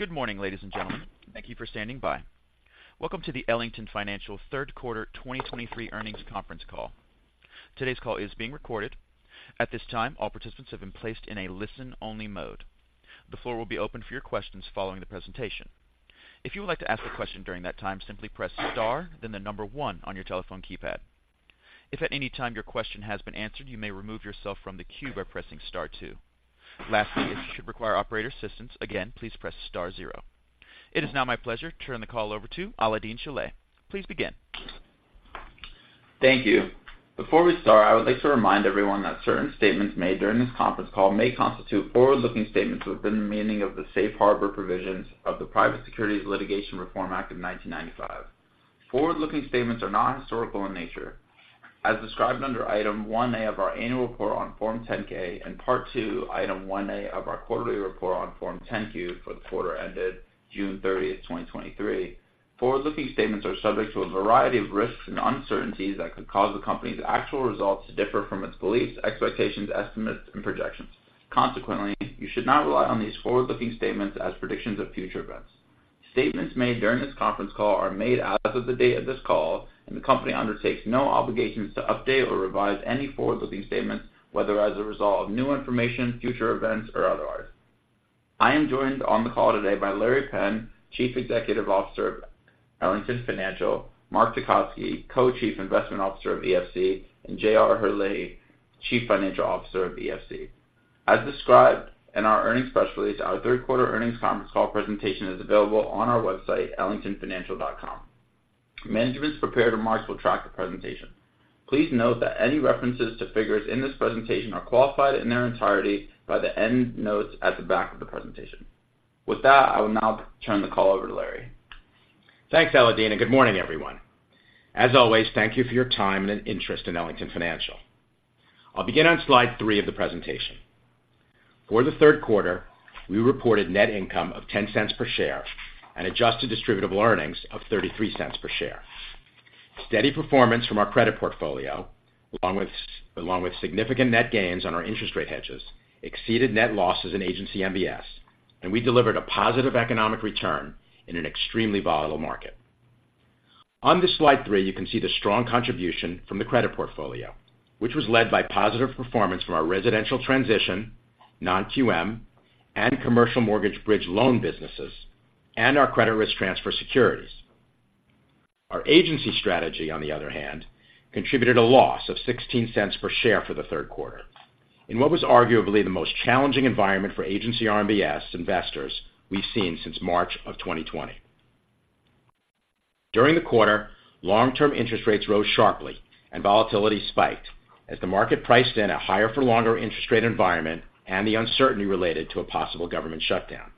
Good morning, ladies and gentlemen. Thank you for standing by. Welcome to the Ellington Financial Third Quarter 2023 Earnings Conference Call. Today's call is being recorded. At this time, all participants have been placed in a listen-only mode. The floor will be open for your questions following the presentation. If you would like to ask a question during that time, simply press star, then one on your telephone keypad. If at any time your question has been answered, you may remove yourself from the queue by pressing star two.. Lastly, if you should require operator assistance, again, please press star zero. It is now my pleasure to turn the call over to Alaael-Deen Shilleh. Please begin. Thank you. Before we start, I would like to remind everyone that certain statements made during this conference call may constitute forward-looking statements within the meaning of the safe harbor provisions of the Private Securities Litigation Reform Act of 1995. Forward-looking statements are not historical in nature. As described under Item 1A of our annual report on Form 10-K and Part II, Item 1A of our quarterly report on Form 10-Q for the quarter ended June 30, 2023. Forward-looking statements are subject to a variety of risks and uncertainties that could cause the company's actual results to differ from its beliefs, expectations, estimates, and projections. Consequently, you should not rely on these forward-looking statements as predictions of future events. Statements made during this conference call are made as of the date of this call, and the company undertakes no obligations to update or revise any forward-looking statements, whether as a result of new information, future events, or otherwise. I am joined on the call today by Laurence Penn, Chief Executive Officer of Ellington Financial, Mark Tecotzky, Co-Chief Investment Officer of EFC, and JR Herlihy, Chief Financial Officer of EFC. As described in our earnings release, our third quarter earnings conference call presentation is available on our website, ellingtonfinancial.com. Management's prepared remarks will track the presentation. Please note that any references to figures in this presentation are qualified in their entirety by the end notes at the back of the presentation. With that, I will now turn the call over to Larry. Thanks, Alaael-Deen, and good morning, everyone. As always, thank you for your time and interest in Ellington Financial. I'll begin on slide three of the presentation. For the third quarter, we reported net income of $0.10 per share and adjusted distributable earnings of $0.33 per share. Steady performance from our credit portfolio, along with significant net gains on our interest rate hedges, exceeded net losses in Agency MBS, and we delivered a positive economic return in an extremely volatile market. On this slide three, you can see the strong contribution from the credit portfolio, which was led by positive performance from our residential transition, non-QM, and commercial mortgage bridge loan businesses, and our credit risk transfer securities. Our agency strategy, on the other hand, contributed a loss of $0.16 per share for the third quarter, in what was arguably the most challenging environment for agency RMBS investors we've seen since March 2020. During the quarter, long-term interest rates rose sharply and volatility spiked as the market priced in a higher for longer interest rate environment and the uncertainty related to a possible government shutdown.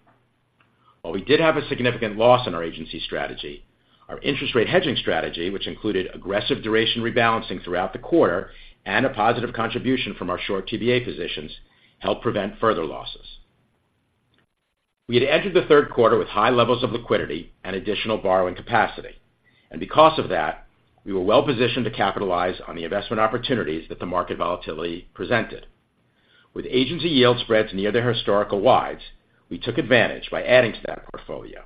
While we did have a significant loss in our agency strategy, our interest rate hedging strategy, which included aggressive duration rebalancing throughout the quarter and a positive contribution from our short TBA positions, helped prevent further losses. We had entered the third quarter with high levels of liquidity and additional borrowing capacity, and because of that, we were well-positioned to capitalize on the investment opportunities that the market volatility presented. With agency yield spreads near their historical wides, we took advantage by adding to that portfolio,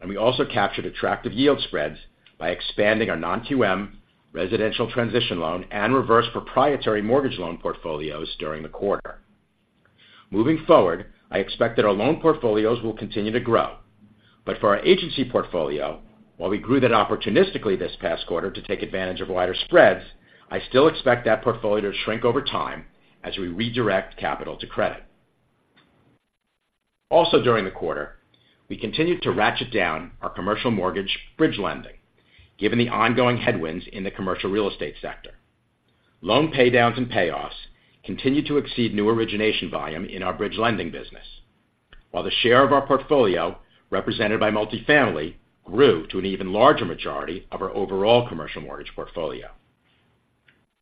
and we also captured attractive yield spreads by expanding our non-QM residential transition loan and reverse proprietary mortgage loan portfolios during the quarter. Moving forward, I expect that our loan portfolios will continue to grow, but for our agency portfolio, while we grew that opportunistically this past quarter to take advantage of wider spreads, I still expect that portfolio to shrink over time as we redirect capital to credit. Also, during the quarter, we continued to ratchet down our commercial mortgage bridge lending, given the ongoing headwinds in the commercial real estate sector. Loan paydowns and payoffs continued to exceed new origination volume in our bridge lending business, while the share of our portfolio, represented by multifamily, grew to an even larger majority of our overall commercial mortgage portfolio.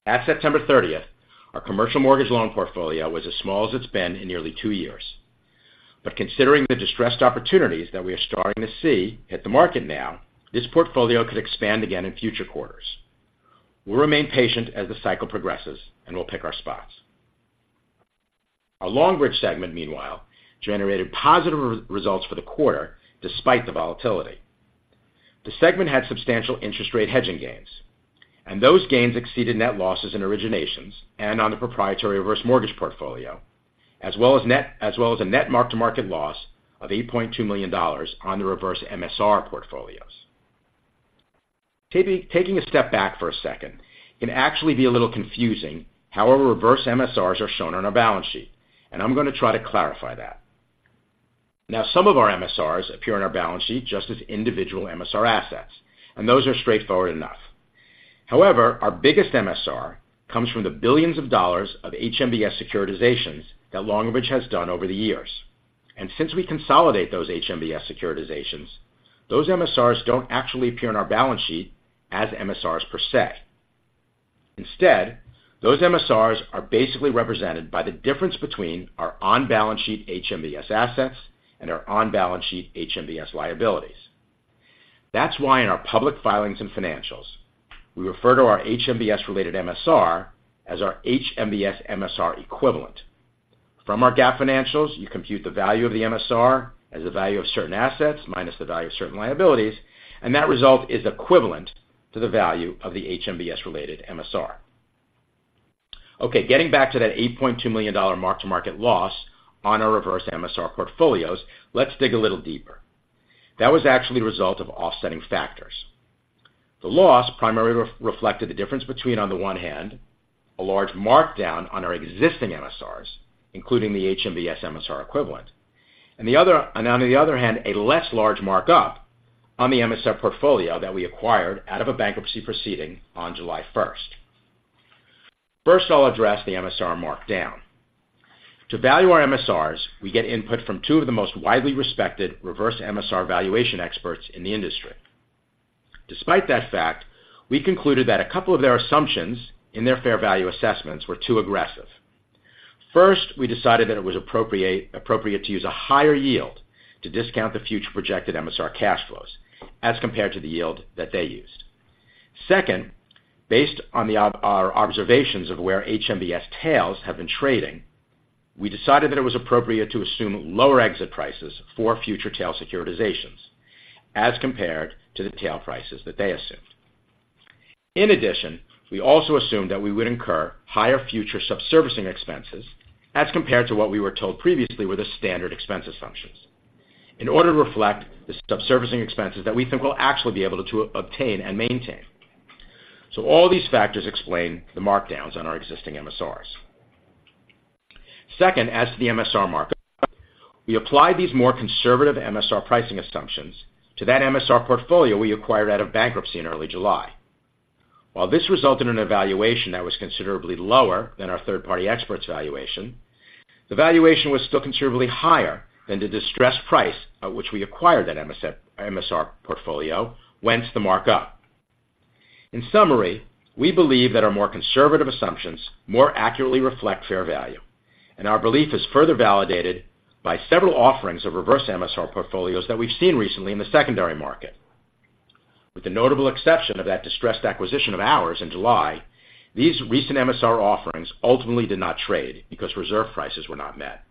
At September 30th, our commercial mortgage loan portfolio was as small as it's been in nearly two years. But considering the distressed opportunities that we are starting to see hit the market now, this portfolio could expand again in future quarters. We'll remain patient as the cycle progresses, and we'll pick our spots. Our Longbridge segment, meanwhile, generated positive results for the quarter, despite the volatility. The segment had substantial interest rate hedging gains, and those gains exceeded net losses in originations and on the proprietary reverse mortgage portfolio, as well as a net mark-to-market loss of $8.2 million on the reverse MSR portfolios. Taking a step back for a second can actually be a little confusing how our reverse MSRs are shown on our balance sheet, and I'm going to try to clarify that. Now, some of our MSRs appear on our balance sheet just as individual MSR assets, and those are straightforward enough. However, our biggest MSR comes from the billions of dollars of HMBS securitizations that Longbridge has done over the years. And since we consolidate those HMBS securitizations, those MSRs don't actually appear on our balance sheet as MSRs per se. Instead, those MSRs are basically represented by the difference between our on-balance sheet HMBS assets and our on-balance sheet HMBS liabilities.... That's why in our public filings and financials, we refer to our HMBS-related MSR as our HMBS MSR equivalent. From our GAAP financials, you compute the value of the MSR as the value of certain assets, minus the value of certain liabilities, and that result is equivalent to the value of the HMBS-related MSR. Okay, getting back to that $8.2 million mark-to-market loss on our reverse MSR portfolios, let's dig a little deeper. That was actually the result of offsetting factors. The loss primarily reflected the difference between, on the one hand, a large markdown on our existing MSRs, including the HMBS MSR equivalent, and, on the other hand, a less large markup on the MSR portfolio that we acquired out of a bankruptcy proceeding on July 1st. First, I'll address the MSR markdown. To value our MSRs, we get input from two of the most widely respected reverse MSR valuation experts in the industry. Despite that fact, we concluded that a couple of their assumptions in their fair value assessments were too aggressive. First, we decided that it was appropriate to use a higher yield to discount the future projected MSR cash flows as compared to the yield that they used. Second, based on our observations of where HMBS tails have been trading, we decided that it was appropriate to assume lower exit prices for future tail securitizations as compared to the tail prices that they assumed. In addition, we also assumed that we would incur higher future subservicing expenses as compared to what we were told previously were the standard expense assumptions, in order to reflect the subservicing expenses that we think we'll actually be able to obtain and maintain. So all these factors explain the markdowns on our existing MSRs. Second, as to the MSR market, we applied these more conservative MSR pricing assumptions to that MSR portfolio we acquired out of bankruptcy in early July. While this resulted in a valuation that was considerably lower than our third-party expert's valuation, the valuation was still considerably higher than the distressed price at which we acquired that MSR portfolio, whence the markup. In summary, we believe that our more conservative assumptions more accurately reflect fair value, and our belief is further validated by several offerings of reverse MSR portfolios that we've seen recently in the secondary market. With the notable exception of that distressed acquisition of ours in July, these recent MSR offerings ultimately did not trade because reserve prices were not met.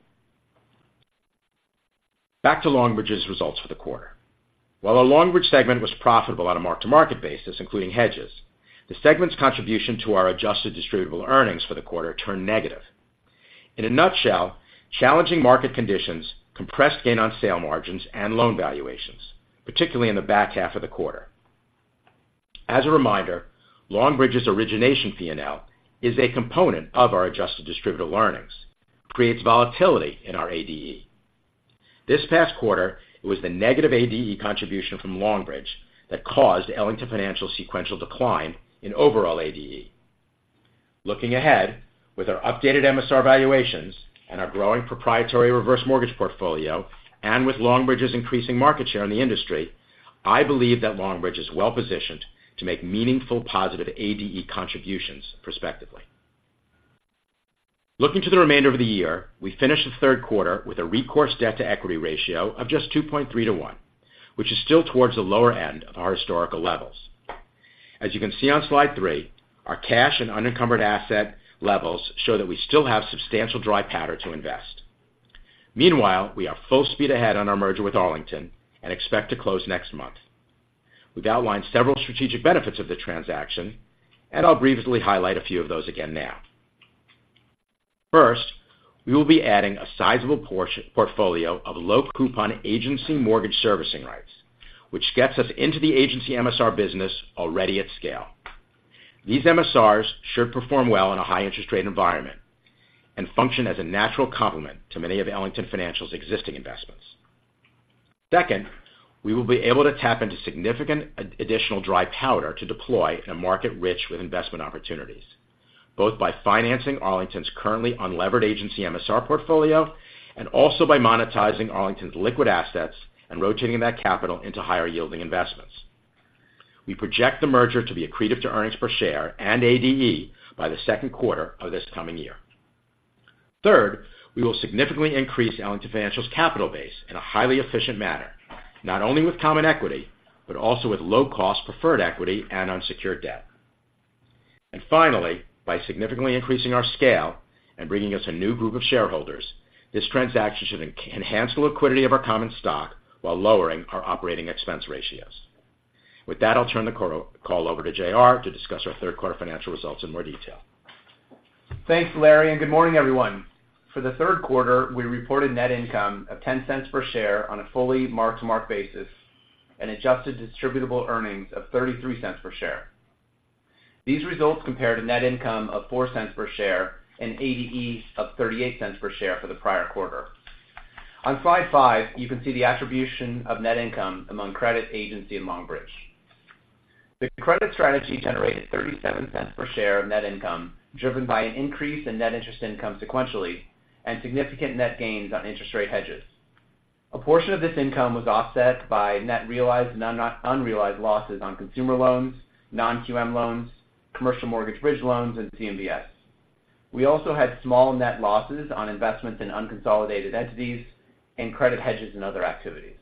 Back to Longbridge's results for the quarter. While our Longbridge segment was profitable on a mark-to-market basis, including hedges, the segment's contribution to our adjusted distributable earnings for the quarter turned negative. In a nutshell, challenging market conditions compressed gain on sale margins and loan valuations, particularly in the back half of the quarter. As a reminder, Longbridge's origination P&L is a component of our adjusted distributable earnings, creates volatility in our ADE. This past quarter, it was the negative ADE contribution from Longbridge that caused Ellington Financial's sequential decline in overall ADE. Looking ahead, with our updated MSR valuations and our growing proprietary reverse mortgage portfolio, and with Longbridge's increasing market share in the industry, I believe that Longbridge is well positioned to make meaningful positive ADE contributions prospectively. Looking to the remainder of the year, we finished the third quarter with a recourse debt-to-equity ratio of just 2.3 to 1, which is still towards the lower end of our historical levels. As you can see on slide three, our cash and unencumbered asset levels show that we still have substantial dry powder to invest. Meanwhile, we are full speed ahead on our merger with Arlington and expect to close next month. We've outlined several strategic benefits of the transaction, and I'll briefly highlight a few of those again now. First, we will be adding a sizable portion of portfolio of low-coupon agency mortgage servicing rights, which gets us into the agency MSR business already at scale. These MSRs should perform well in a high interest rate environment and function as a natural complement to many of Ellington Financial's existing investments. Second, we will be able to tap into significant additional dry powder to deploy in a market rich with investment opportunities, both by financing Arlington's currently unlevered agency MSR portfolio and also by monetizing Arlington's liquid assets and rotating that capital into higher-yielding investments. We project the merger to be accretive to earnings per share and ADE by the second quarter of this coming year. Third, we will significantly increase Ellington Financial's capital base in a highly efficient manner, not only with common equity, but also with low-cost preferred equity and unsecured debt. And finally, by significantly increasing our scale and bringing us a new group of shareholders, this transaction should enhance the liquidity of our common stock while lowering our operating expense ratios. With that, I'll turn the call over to JR. to discuss our third quarter financial results in more detail. Thanks, Larry, and good morning, everyone. For the third quarter, we reported net income of $0.10 per share on a fully mark-to-market basis and adjusted distributable earnings of $0.33 per share. These results compare to net income of $0.04 per share and ADE of $0.38 per share for the prior quarter. On slide five, you can see the attribution of net income among credit, agency, and Longbridge. The credit strategy generated $0.37 per share of net income, driven by an increase in net interest income sequentially and significant net gains on interest rate hedges. A portion of this income was offset by net realized and unrealized losses on consumer loans, non-QM loans, commercial mortgage bridge loans, and CMBS. We also had small net losses on investments in unconsolidated entities and credit hedges and other activities.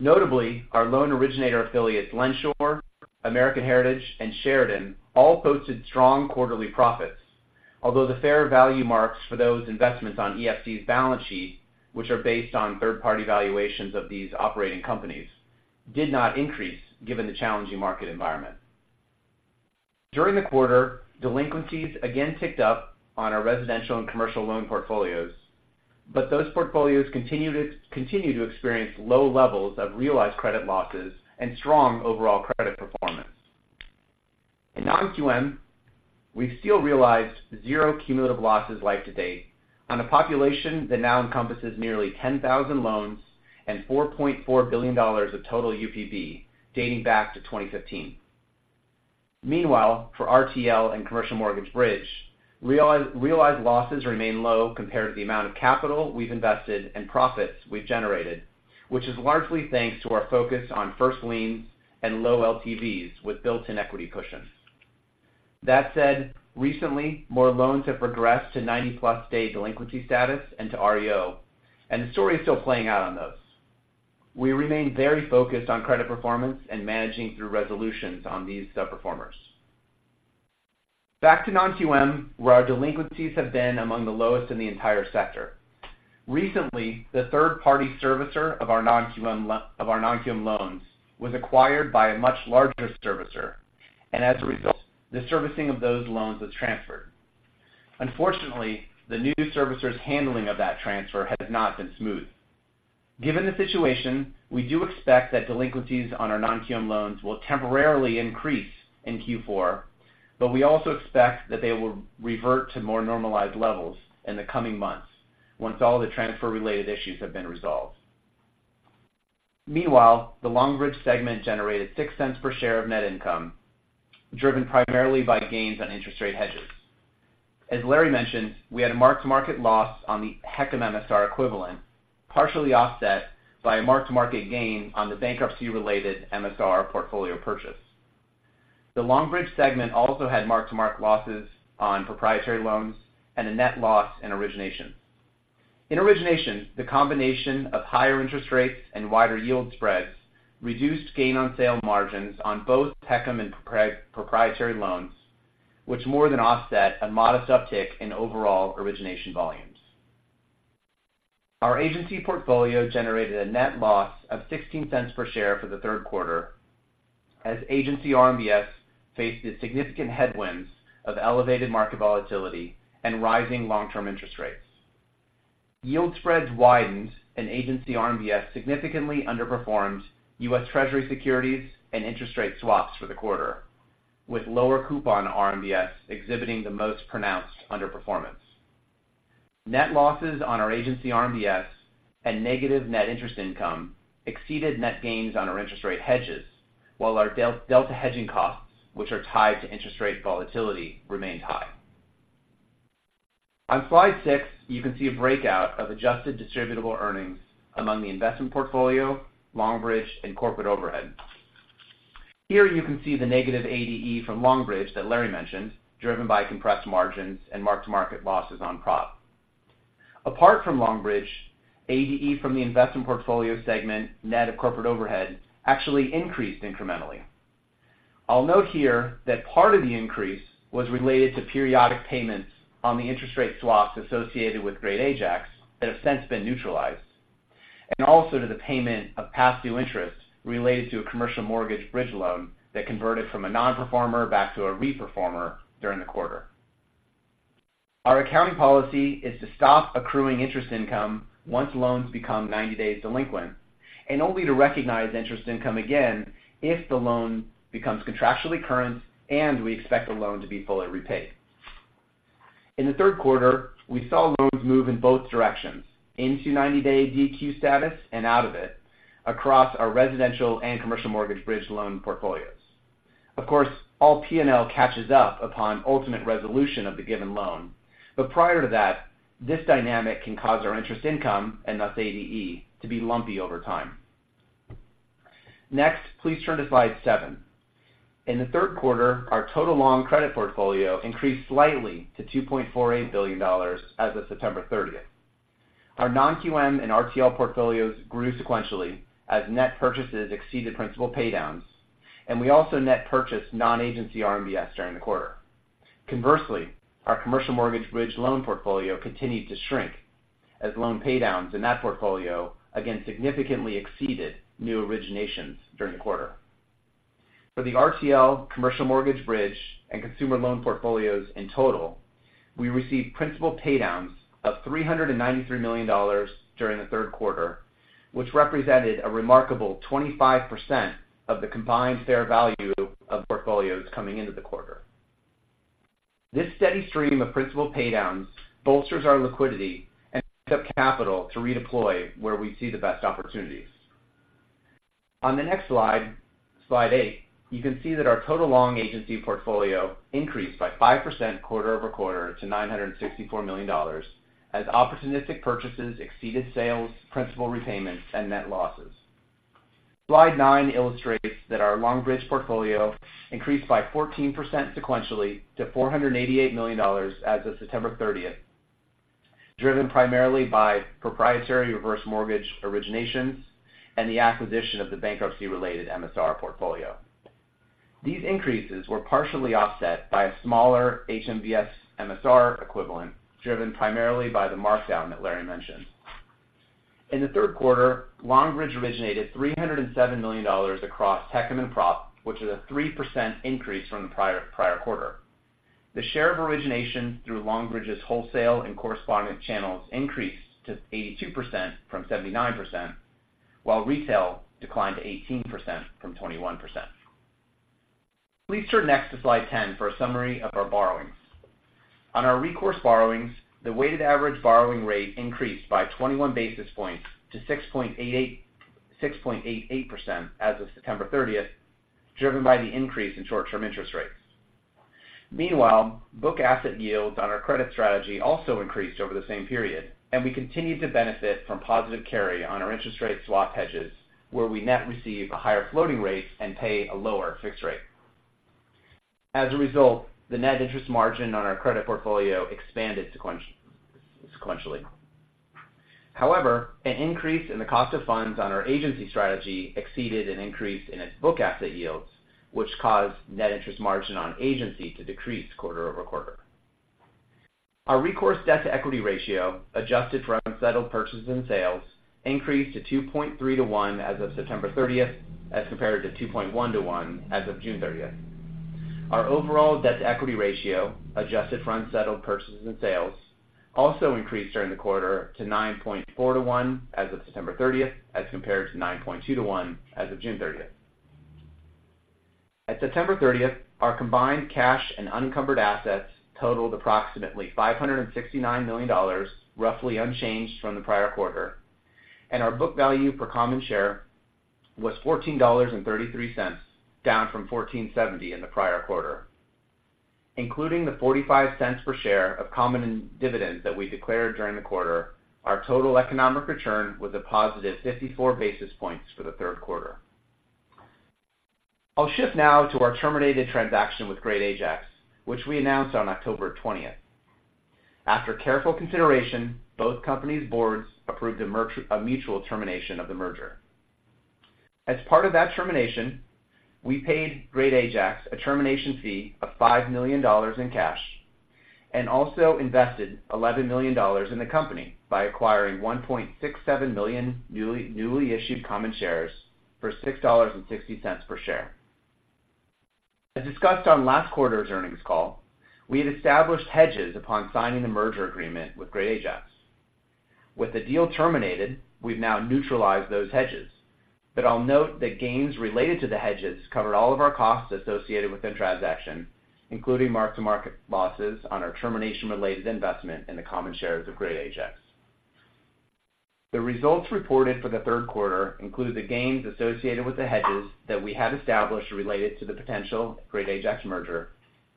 Notably, our loan originator affiliates, LendSure, American Heritage, and Sheridan, all posted strong quarterly profits. Although the fair value marks for those investments on EFC's balance sheet, which are based on third-party valuations of these operating companies, did not increase given the challenging market environment. During the quarter, delinquencies again ticked up on our residential and commercial loan portfolios, but those portfolios continue to experience low levels of realized credit losses and strong overall credit performance. In non-QM, we've still realized zero cumulative losses life to date on a population that now encompasses nearly 10,000 loans and $4.4 billion of total UPB, dating back to 2015. Meanwhile, for RTL and commercial mortgage bridge, realized losses remain low compared to the amount of capital we've invested and profits we've generated, which is largely thanks to our focus on first liens and low LTVs with built-in equity cushions. That said, recently, more loans have regressed to 90+ day delinquency status and to REO, and the story is still playing out on those. We remain very focused on credit performance and managing through resolutions on these subperformers. Back to non-QM, where our delinquencies have been among the lowest in the entire sector. Recently, the third-party servicer of our non-QM loans was acquired by a much larger servicer, and as a result, the servicing of those loans was transferred. Unfortunately, the new servicer's handling of that transfer has not been smooth. Given the situation, we do expect that delinquencies on our non-QM loans will temporarily increase in Q4, but we also expect that they will revert to more normalized levels in the coming months once all the transfer-related issues have been resolved. Meanwhile, the Longbridge segment generated $0.06 per share of net income, driven primarily by gains on interest rate hedges. As Larry mentioned, we had a mark-to-market loss on the HECM MSR equivalent, partially offset by a mark-to-market gain on the bankruptcy-related MSR portfolio purchase. The Longbridge segment also had mark-to-market losses on proprietary loans and a net loss in origination. In origination, the combination of higher interest rates and wider yield spreads reduced gain on sale margins on both HECM and proprietary loans, which more than offset a modest uptick in overall origination volumes. Our agency portfolio generated a net loss of $0.16 per share for the third quarter, as agency RMBS faced the significant headwinds of elevated market volatility and rising long-term interest rates. Yield spreads widened, and agency RMBS significantly underperformed U.S. Treasury securities and interest rate swaps for the quarter, with lower coupon RMBS exhibiting the most pronounced underperformance. Net losses on our agency RMBS and negative net interest income exceeded net gains on our interest rate hedges, while our delta hedging costs, which are tied to interest rate volatility, remained high. On slide six, you can see a breakout of adjusted distributable earnings among the investment portfolio, Longbridge, and corporate overhead. Here, you can see the negative ADE from Longbridge that Larry mentioned, driven by compressed margins and mark-to-market losses on prop. Apart from Longbridge, ADE from the investment portfolio segment, net of corporate overhead, actually increased incrementally. I'll note here that part of the increase was related to periodic payments on the interest rate swaps associated with Great Ajax, that have since been neutralized, and also to the payment of past-due interest related to a commercial mortgage bridge loan that converted from a non-performer back to a re-performer during the quarter. Our accounting policy is to stop accruing interest income once loans become 90 days delinquent, and only to recognize interest income again, if the loan becomes contractually current and we expect the loan to be fully repaid. In the third quarter, we saw loans move in both directions, into 90-day DQ status and out of it, across our residential and commercial mortgage bridge loan portfolios. Of course, all P&L catches up upon ultimate resolution of the given loan. But prior to that, this dynamic can cause our interest income, and thus ADE, to be lumpy over time. Next, please turn to slide seven. In the third quarter, our total long credit portfolio increased slightly to $2.48 billion as of September 30th. Our non-QM and RTL portfolios grew sequentially as net purchases exceeded principal paydowns, and we also net purchased non-agency RMBS during the quarter. Conversely, our commercial mortgage bridge loan portfolio continued to shrink as loan paydowns in that portfolio again significantly exceeded new originations during the quarter. For the RTL, commercial mortgage bridge, and consumer loan portfolios in total, we received principal paydowns of $393 million during the third quarter, which represented a remarkable 25% of the combined fair value of portfolios coming into the quarter. This steady stream of principal paydowns bolsters our liquidity and frees up capital to redeploy where we see the best opportunities. On the next slide, slide eight, you can see that our total long Agency portfolio increased by 5% quarter-over-quarter to $964 million, as opportunistic purchases exceeded sales, principal repayments, and net losses. Slide nine illustrates that our Longbridge portfolio increased by 14% sequentially to $488 million as of September 30th, driven primarily by proprietary reverse mortgage originations and the acquisition of the bankruptcy-related MSR portfolio. These increases were partially offset by a smaller HMBS MSR equivalent, driven primarily by the markdown that Larry mentioned. In the third quarter, Longbridge originated $307 million across HECM and proprietary, which is a 3% increase from the prior, prior quarter. The share of origination through Longbridge's wholesale and correspondent channels increased to 82% from 79%, while retail declined to 18% from 21%. Please turn next to slide 10 for a summary of our borrowings. On our recourse borrowings, the weighted average borrowing rate increased by 21 basis points to 6.88% as of September 30th, driven by the increase in short-term interest rates. Meanwhile, book asset yields on our credit strategy also increased over the same period, and we continued to benefit from positive carry on our interest rate swap hedges, where we net receive a higher floating rate and pay a lower fixed rate. As a result, the net interest margin on our credit portfolio expanded sequentially. However, an increase in the cost of funds on our agency strategy exceeded an increase in its book asset yields, which caused net interest margin on agency to decrease quarter-over-quarter. Our recourse debt-to-equity ratio, adjusted for unsettled purchases and sales, increased to 2.3 to 1 as of September 30th, as compared to 2.1 to 1 as of June 30th. Our overall debt-to-equity ratio, adjusted for unsettled purchases and sales, also increased during the quarter to 9.4 to 1 as of September 30th, as compared to 9.2 to 1 as of June 30th. At September 30th, our combined cash and unencumbered assets totaled approximately $569 million, roughly unchanged from the prior quarter, and our book value per common share was $14.33, down from $14.70 in the prior quarter. Including the $0.45 per share of common dividend that we declared during the quarter, our total economic return was a positive 54 basis points for the third quarter. I'll shift now to our terminated transaction with Great Ajax, which we announced on October 20th. After careful consideration, both companies' boards approved a mutual termination of the merger. As part of that termination, we paid Great Ajax a termination fee of $5 million in cash and also invested $11 million in the company by acquiring 1.67 million newly issued common shares for $6.60 per share. As discussed on last quarter's earnings call, we had established hedges upon signing the merger agreement with Great Ajax. With the deal terminated, we've now neutralized those hedges, but I'll note that gains related to the hedges covered all of our costs associated with the transaction, including mark-to-market losses on our termination-related investment in the common shares of Great Ajax. The results reported for the third quarter include the gains associated with the hedges that we had established related to the potential Great Ajax merger,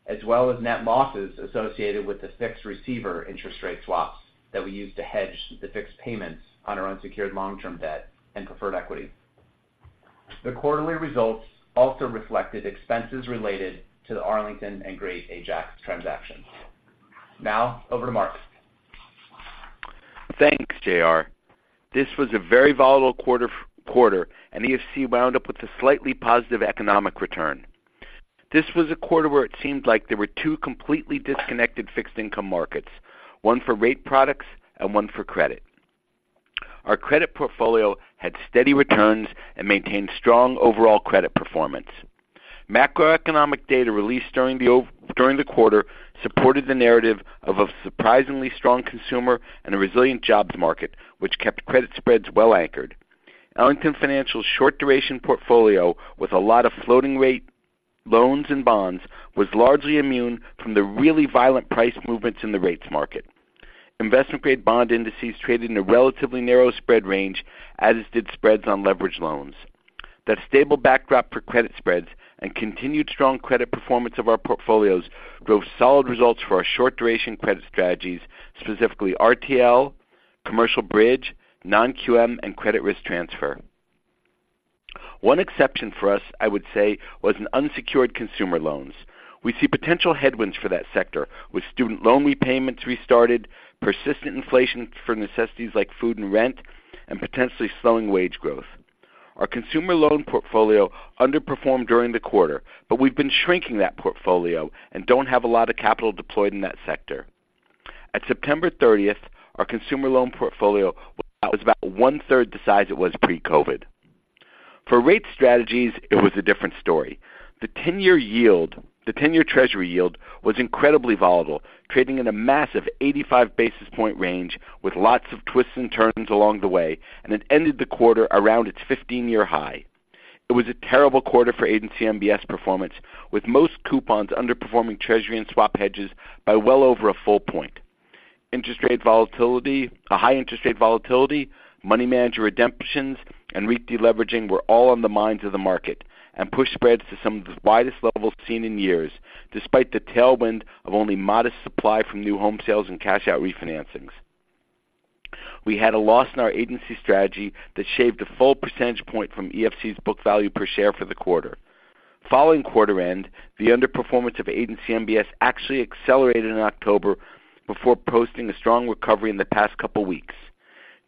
as well as net losses associated with the fixed receiver interest rate swaps that we used to hedge the fixed payments on our unsecured long-term debt and preferred equity. The quarterly results also reflected expenses related to the Arlington and Great Ajax transactions. Now, over to Mark. Thanks, JR. This was a very volatile quarter, and EFC wound up with a slightly positive economic return. This was a quarter where it seemed like there were two completely disconnected fixed income markets, one for rate products and one for credit. Our credit portfolio had steady returns and maintained strong overall credit performance. Macroeconomic data released during the quarter supported the narrative of a surprisingly strong consumer and a resilient jobs market, which kept credit spreads well anchored. Ellington Financial's short duration portfolio, with a lot of floating rate loans and bonds, was largely immune from the really violent price movements in the rates market. Investment-grade bond indices traded in a relatively narrow spread range, as did spreads on leveraged loans. That stable backdrop for credit spreads and continued strong credit performance of our portfolios drove solid results for our short duration credit strategies, specifically RTL, commercial bridge, non-QM, and credit risk transfer. One exception for us, I would say, was in unsecured consumer loans. We see potential headwinds for that sector, with student loan repayments restarted, persistent inflation for necessities like food and rent, and potentially slowing wage growth. Our consumer loan portfolio underperformed during the quarter, but we've been shrinking that portfolio and don't have a lot of capital deployed in that sector. At September 30th, our consumer loan portfolio was about one-third the size it was pre-COVID. For rate strategies, it was a different story. The 10-year yield—the 10-year Treasury yield was incredibly volatile, trading in a massive 85 basis point range with lots of twists and turns along the way, and it ended the quarter around its 15-year high. It was a terrible quarter for Agency MBS performance, with most coupons underperforming Treasury and swap hedges by well over a full point. Interest rate volatility, a high interest rate volatility, money manager redemptions, and REIT deleveraging were all on the minds of the market and pushed spreads to some of the widest levels seen in years, despite the tailwind of only modest supply from new home sales and cash-out refinancings... We had a loss in our agency strategy that shaved a full percentage point from EFC's book value per share for the quarter. Following quarter end, the underperformance of Agency MBS actually accelerated in October before posting a strong recovery in the past couple of weeks.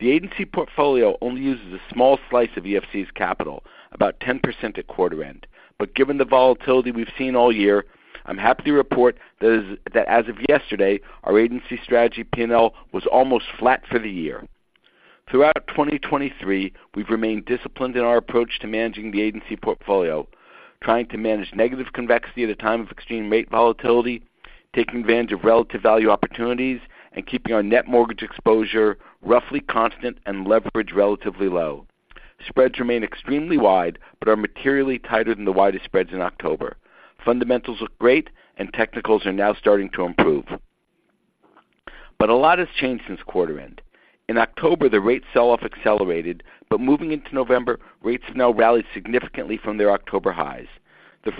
The agency portfolio only uses a small slice of EFC's capital, about 10% at quarter end. But given the volatility we've seen all year, I'm happy to report that as of yesterday, our agency strategy P&L was almost flat for the year. Throughout 2023, we've remained disciplined in our approach to managing the agency portfolio, trying to manage negative convexity at a time of extreme rate volatility, taking advantage of relative value opportunities, and keeping our net mortgage exposure roughly constant and leverage relatively low. Spreads remain extremely wide, but are materially tighter than the widest spreads in October. Fundamentals look great, and technicals are now starting to improve. But a lot has changed since quarter end. In October, the rate sell-off accelerated, but moving into November, rates have now rallied significantly from their October highs. The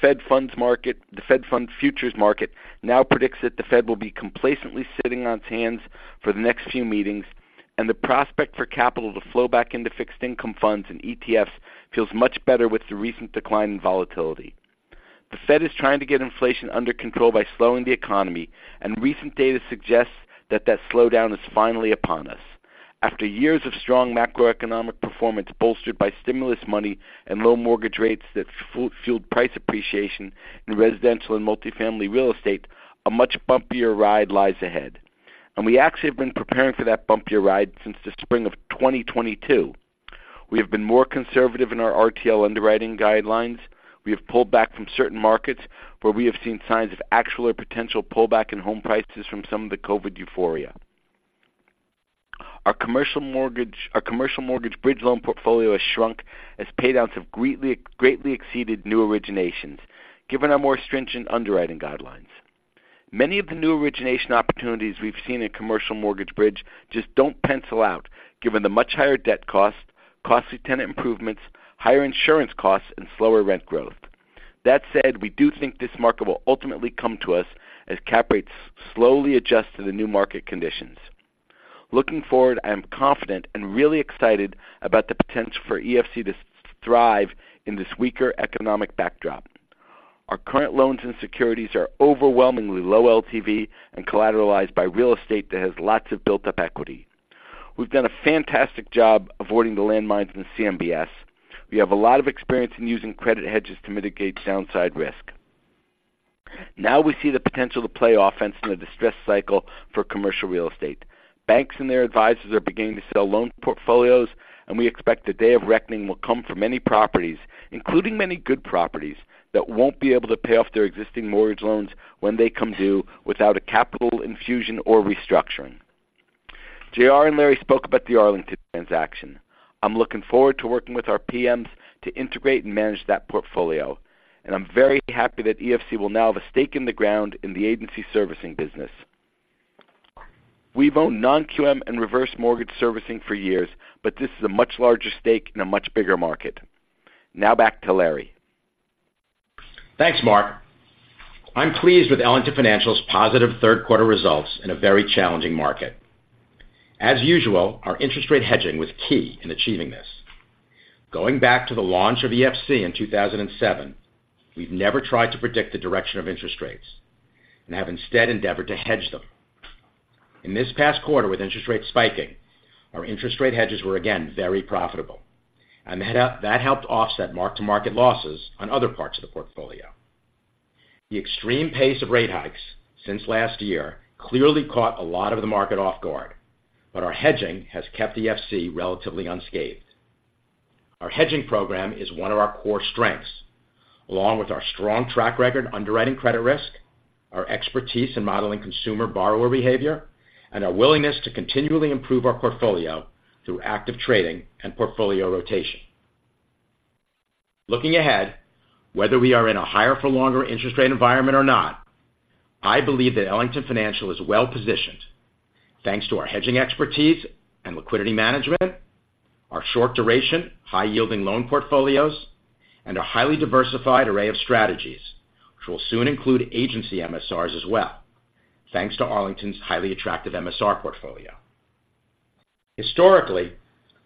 Fed funds market - the Fed fund futures market now predicts that the Fed will be complacently sitting on its hands for the next few meetings, and the prospect for capital to flow back into fixed income funds and ETFs feels much better with the recent decline in volatility. The Fed is trying to get inflation under control by slowing the economy, and recent data suggests that that slowdown is finally upon us. After years of strong macroeconomic performance, bolstered by stimulus money and low mortgage rates that fueled price appreciation in residential and multifamily real estate, a much bumpier ride lies ahead. We actually have been preparing for that bumpier ride since the spring of 2022. We have been more conservative in our RTL underwriting guidelines. We have pulled back from certain markets where we have seen signs of actual or potential pullback in home prices from some of the COVID euphoria. Our commercial mortgage, our commercial mortgage bridge loan portfolio has shrunk as paydowns have greatly, greatly exceeded new originations, given our more stringent underwriting guidelines. Many of the new origination opportunities we've seen in commercial mortgage bridge just don't pencil out, given the much higher debt cost, costly tenant improvements, higher insurance costs, and slower rent growth. That said, we do think this market will ultimately come to us as cap rates slowly adjust to the new market conditions. Looking forward, I am confident and really excited about the potential for EFC to thrive in this weaker economic backdrop. Our current loans and securities are overwhelmingly low LTV and collateralized by real estate that has lots of built-up equity. We've done a fantastic job avoiding the landmines in CMBS. We have a lot of experience in using credit hedges to mitigate downside risk. Now we see the potential to play offense in the distress cycle for commercial real estate. Banks and their advisors are beginning to sell loan portfolios, and we expect the day of reckoning will come for many properties, including many good properties, that won't be able to pay off their existing mortgage loans when they come due without a capital infusion or restructuring. J.R. and Larry spoke about the Arlington transaction. I'm looking forward to working with our PMs to integrate and manage that portfolio, and I'm very happy that EFC will now have a stake in the ground in the agency servicing business. We've owned non-QM and reverse mortgage servicing for years, but this is a much larger stake in a much bigger market. Now back to Larry. Thanks, Mark. I'm pleased with Ellington Financial's positive third quarter results in a very challenging market. As usual, our interest rate hedging was key in achieving this. Going back to the launch of EFC in 2007, we've never tried to predict the direction of interest rates and have instead endeavored to hedge them. In this past quarter, with interest rates spiking, our interest rate hedges were again very profitable, and that helped, that helped offset mark-to-market losses on other parts of the portfolio. The extreme pace of rate hikes since last year clearly caught a lot of the market off guard, but our hedging has kept EFC relatively unscathed. Our hedging program is one of our core strengths, along with our strong track record in underwriting credit risk, our expertise in modeling consumer borrower behavior, and our willingness to continually improve our portfolio through active trading and portfolio rotation. Looking ahead, whether we are in a higher for longer interest rate environment or not, I believe that Ellington Financial is well positioned, thanks to our hedging expertise and liquidity management, our short duration, high-yielding loan portfolios, and a highly diversified array of strategies, which will soon include agency MSRs as well, thanks to Arlington's highly attractive MSR portfolio. Historically,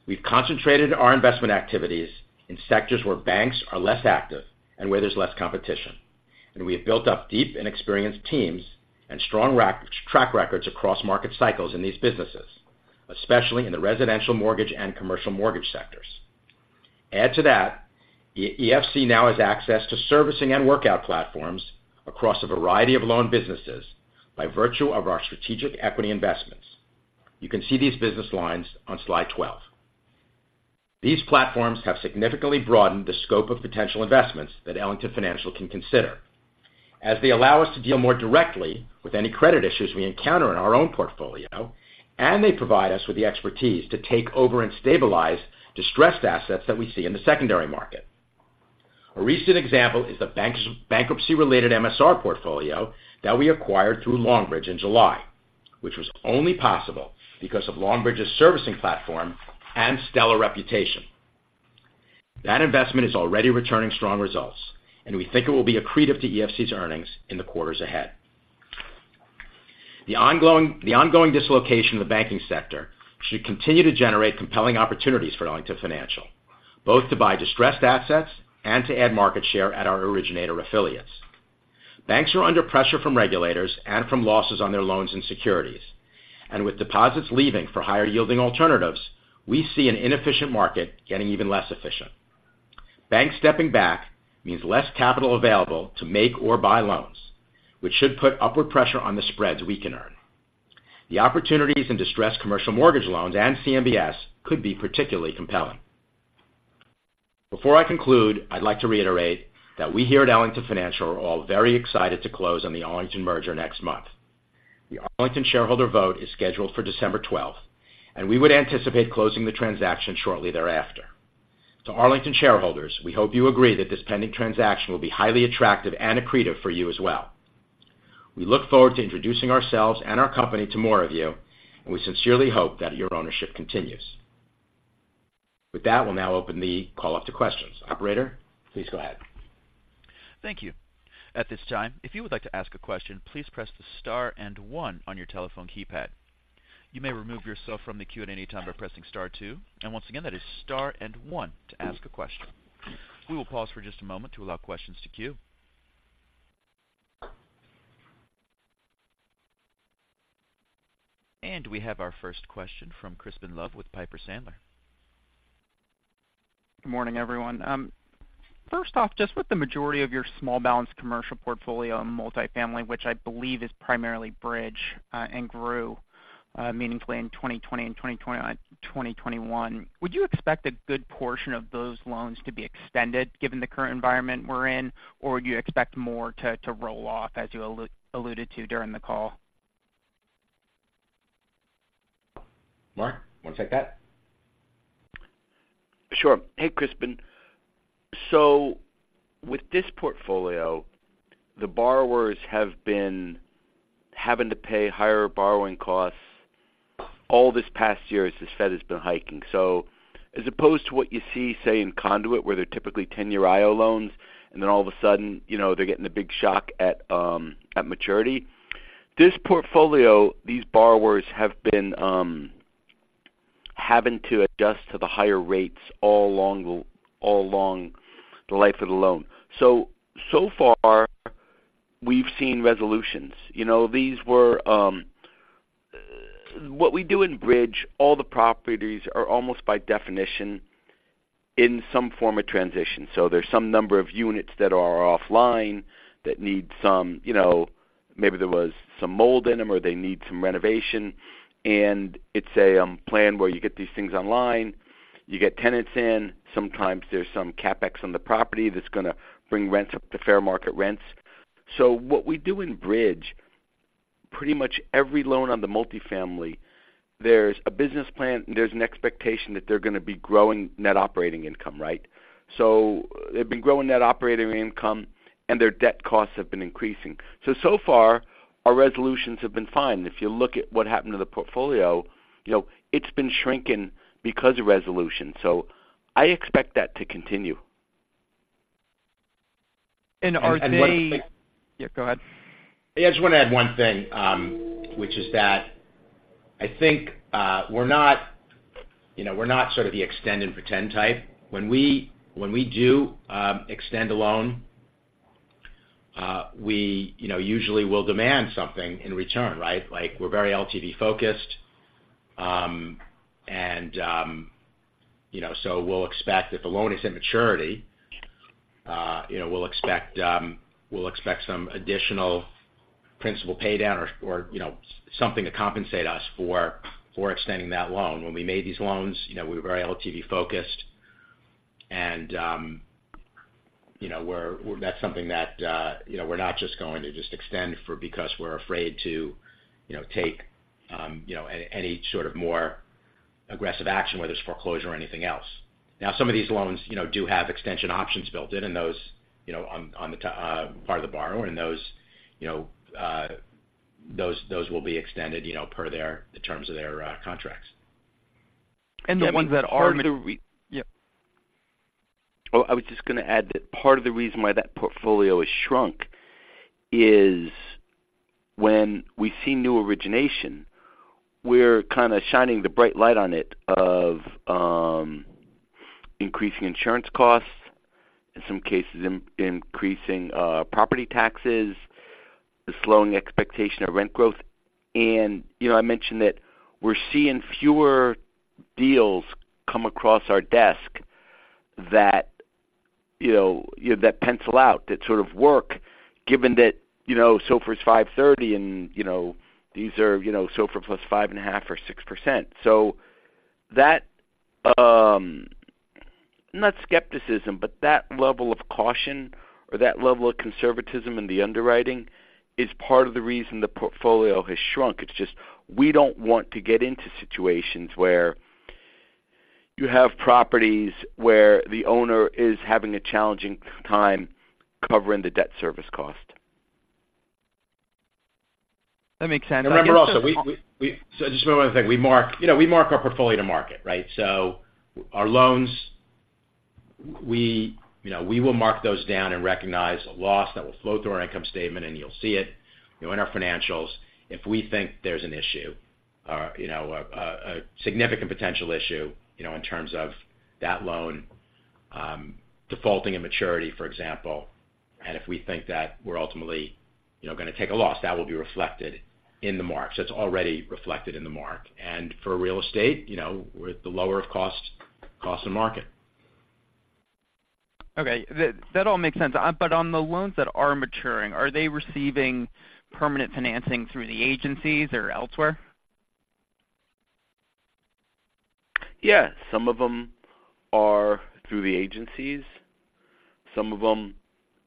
we've concentrated our investment activities in sectors where banks are less active and where there's less competition, and we have built up deep and experienced teams and strong track records across market cycles in these businesses, especially in the residential mortgage and commercial mortgage sectors. Add to that, EFC now has access to servicing and workout platforms across a variety of loan businesses by virtue of our strategic equity investments. You can see these business lines on slide 12. These platforms have significantly broadened the scope of potential investments that Ellington Financial can consider, as they allow us to deal more directly with any credit issues we encounter in our own portfolio, and they provide us with the expertise to take over and stabilize distressed assets that we see in the secondary market. A recent example is the bank's bankruptcy-related MSR portfolio that we acquired through Longbridge in July, which was only possible because of Longbridge's servicing platform and stellar reputation. That investment is already returning strong results, and we think it will be accretive to EFC's earnings in the quarters ahead. The ongoing dislocation in the banking sector should continue to generate compelling opportunities for Ellington Financial, both to buy distressed assets and to add market share at our originator affiliates. Banks are under pressure from regulators and from losses on their loans and securities, and with deposits leaving for higher-yielding alternatives, we see an inefficient market getting even less efficient. Banks stepping back means less capital available to make or buy loans, which should put upward pressure on the spreads we can earn. The opportunities in distressed commercial mortgage loans and CMBS could be particularly compelling. Before I conclude, I'd like to reiterate that we here at Ellington Financial are all very excited to close on the Arlington merger next month. The Arlington shareholder vote is scheduled for December twelfth, and we would anticipate closing the transaction shortly thereafter. To Arlington shareholders, we hope you agree that this pending transaction will be highly attractive and accretive for you as well. We look forward to introducing ourselves and our company to more of you, and we sincerely hope that your ownership continues. With that, we'll now open the call up to questions. Operator, please go ahead. Thank you. At this time, if you would like to ask a question, please press the star and one on your telephone keypad. You may remove yourself from the queue at any time by pressing star two, and once again, that is star and one to ask a question. We will pause for just a moment to allow questions to queue. We have our first question from Crispin Love with Piper Sandler. Good morning, everyone. First off, just with the majority of your small balance commercial portfolio on multifamily, which I believe is primarily bridge, and grew meaningfully in 2020 and 2021, would you expect a good portion of those loans to be extended given the current environment we're in, or you expect more to roll off, as you alluded to during the call? Mark, want to take that? Sure. Hey, Crispin. So with this portfolio, the borrowers have been having to pay higher borrowing costs all this past year as the Fed has been hiking. So as opposed to what you see, say, in Conduit, where they're typically 10-year IO loans, and then all of a sudden, you know, they're getting a big shock at maturity. This portfolio, these borrowers have been having to adjust to the higher rates all along the life of the loan. So far, we've seen resolutions. You know, these were what we do in bridge. All the properties are almost by definition in some form of transition. So there's some number of units that are offline that need some, you know, maybe there was some mold in them or they need some renovation, and it's a plan where you get these things online, you get tenants in. Sometimes there's some CapEx on the property that's going to bring rents up to fair market rents. So what we do in bridge, pretty much every loan on the multifamily, there's a business plan, there's an expectation that they're going to be growing net operating income, right? So they've been growing net operating income, and their debt costs have been increasing. So so far, our resolutions have been fine. If you look at what happened to the portfolio, you know, it's been shrinking because of resolution. So I expect that to continue. Are they- One thing- Yeah, go ahead. Yeah, I just want to add one thing, which is that I think, we're not, you know, we're not sort of the extend and pretend type. When we do extend a loan, we, you know, usually will demand something in return, right? Like, we're very LTV focused, and, you know, so we'll expect if a loan is at maturity, we'll expect, we'll expect some additional principal pay down or, or, you know, something to compensate us for, for extending that loan. When we made these loans, you know, we were very LTV focused, and, you know, we're. That's something that, you know, we're not just going to just extend for because we're afraid to, you know, take, you know, any sort of more aggressive action, whether it's foreclosure or anything else. Now, some of these loans, you know, do have extension options built in, and those, you know, on the part of the borrower, and those, you know, will be extended, you know, per their terms of their contracts. And the ones that are- Part of the re... Yeah. Oh, I was just going to add that part of the reason why that portfolio has shrunk is when we see new origination, we're kind of shining the bright light on it, of, increasing insurance costs, in some cases, increasing property taxes, the slowing expectation of rent growth. And, you know, I mentioned that we're seeing fewer deals come across our desk that, you know, that pencil out, that sort of work, given that, you know, SOFR is 5.30 and, you know, these are, you know, SOFR plus 5.5% or 6%. So that, not skepticism, but that level of caution or that level of conservatism in the underwriting is part of the reason the portfolio has shrunk. It's just we don't want to get into situations where you have properties where the owner is having a challenging time covering the debt service cost. ... That makes sense. And remember also, we—so just one more thing. We mark, you know, we mark our portfolio to market, right? So our loans, we, you know, we will mark those down and recognize a loss that will flow through our income statement, and you'll see it, you know, in our financials. If we think there's an issue or, you know, a significant potential issue, you know, in terms of that loan, defaulting immaturity, for example, and if we think that we're ultimately, you know, going to take a loss, that will be reflected in the mark. So it's already reflected in the mark. And for real estate, you know, we're at the lower of cost, cost and market. Okay. That all makes sense. But on the loans that are maturing, are they receiving permanent financing through the agencies or elsewhere? Yeah, some of them are through the agencies. Some of them,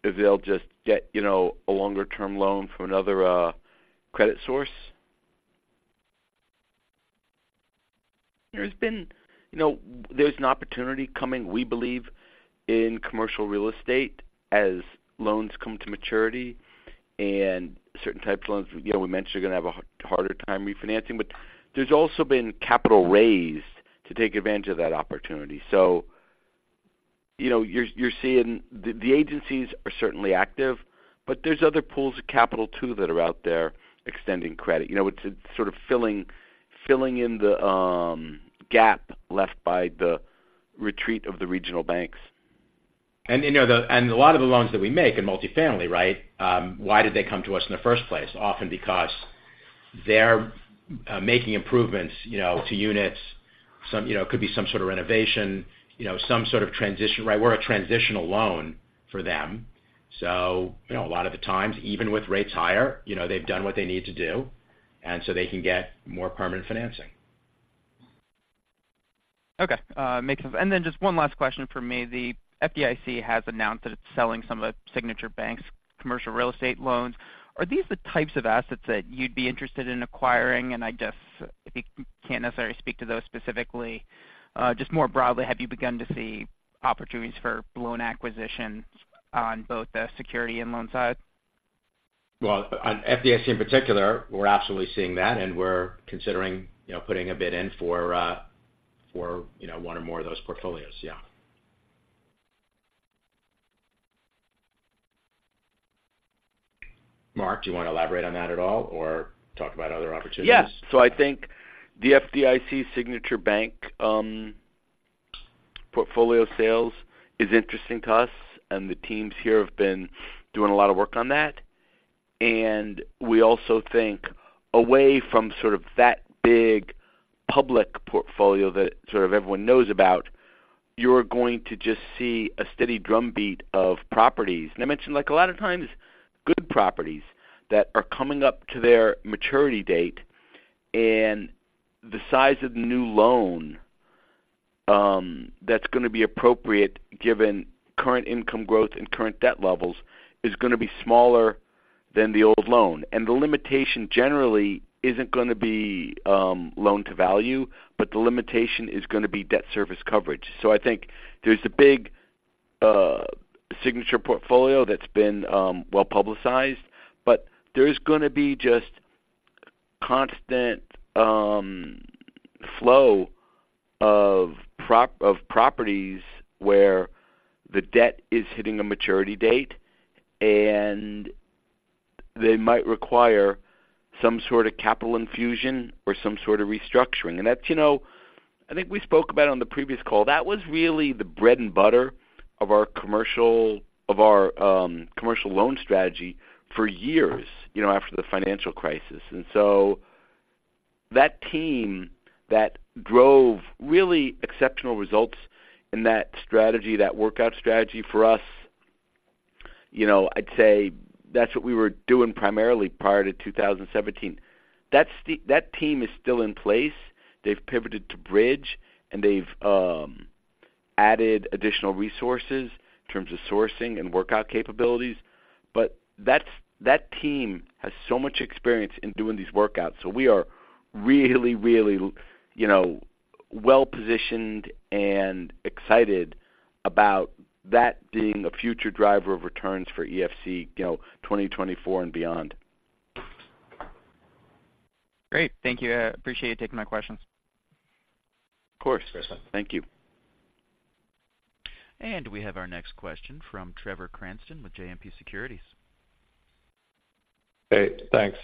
they'll just get, you know, a longer-term loan from another credit source. There's been, you know, there's an opportunity coming, we believe, in commercial real estate as loans come to maturity and certain types of loans, you know, we mentioned, are going to have a harder time refinancing. But there's also been capital raised to take advantage of that opportunity. So, you know, you're seeing the agencies are certainly active, but there's other pools of capital, too, that are out there extending credit. You know, it's sort of filling in the gap left by the retreat of the regional banks. A lot of the loans that we make in multifamily, right? Why did they come to us in the first place? Often because they're making improvements, you know, to units. Some, you know, could be some sort of renovation, you know, some sort of transition, right? We're a transitional loan for them. So, you know, a lot of the times, even with rates higher, you know, they've done what they need to do, and so they can get more permanent financing. Okay, makes sense. And then just one last question for me. The FDIC has announced that it's selling some of Signature Bank's commercial real estate loans. Are these the types of assets that you'd be interested in acquiring? And I just—if you can't necessarily speak to those specifically, just more broadly, have you begun to see opportunities for loan acquisitions on both the security and loan side? Well, on FDIC in particular, we're absolutely seeing that, and we're considering, you know, putting a bid in for, for, you know, one or more of those portfolios. Yeah. Mark, do you want to elaborate on that at all or talk about other opportunities? Yes. So I think the FDIC Signature Bank portfolio sales is interesting to us, and the teams here have been doing a lot of work on that. And we also think away from sort of that big public portfolio that sort of everyone knows about, you're going to just see a steady drumbeat of properties. And I mentioned, like a lot of times, good properties that are coming up to their maturity date, and the size of the new loan that's going to be appropriate, given current income growth and current debt levels, is going to be smaller than the old loan. And the limitation generally isn't going to be loan-to-value, but the limitation is going to be debt service coverage. So I think there's a big Signature portfolio that's been well publicized, but there's going to be just constant flow of properties where the debt is hitting a maturity date, and they might require some sort of capital infusion or some sort of restructuring. And that's, you know, I think we spoke about on the previous call. That was really the bread and butter of our commercial, of our, commercial loan strategy for years, you know, after the financial crisis. And so that team that drove really exceptional results in that strategy, that workout strategy for us, you know, I'd say that's what we were doing primarily prior to 2017. That team is still in place. They've pivoted to bridge, and they've added additional resources in terms of sourcing and workout capabilities. But that's that team has so much experience in doing these workouts, so we are really, really, you know, well-positioned and excited about that being a future driver of returns for EFC, you know, 2024 and beyond. Great. Thank you. I appreciate you taking my questions. Of course. Yes, sir. Thank you. We have our next question from Trevor Cranston with JMP Securities. Hey, thanks.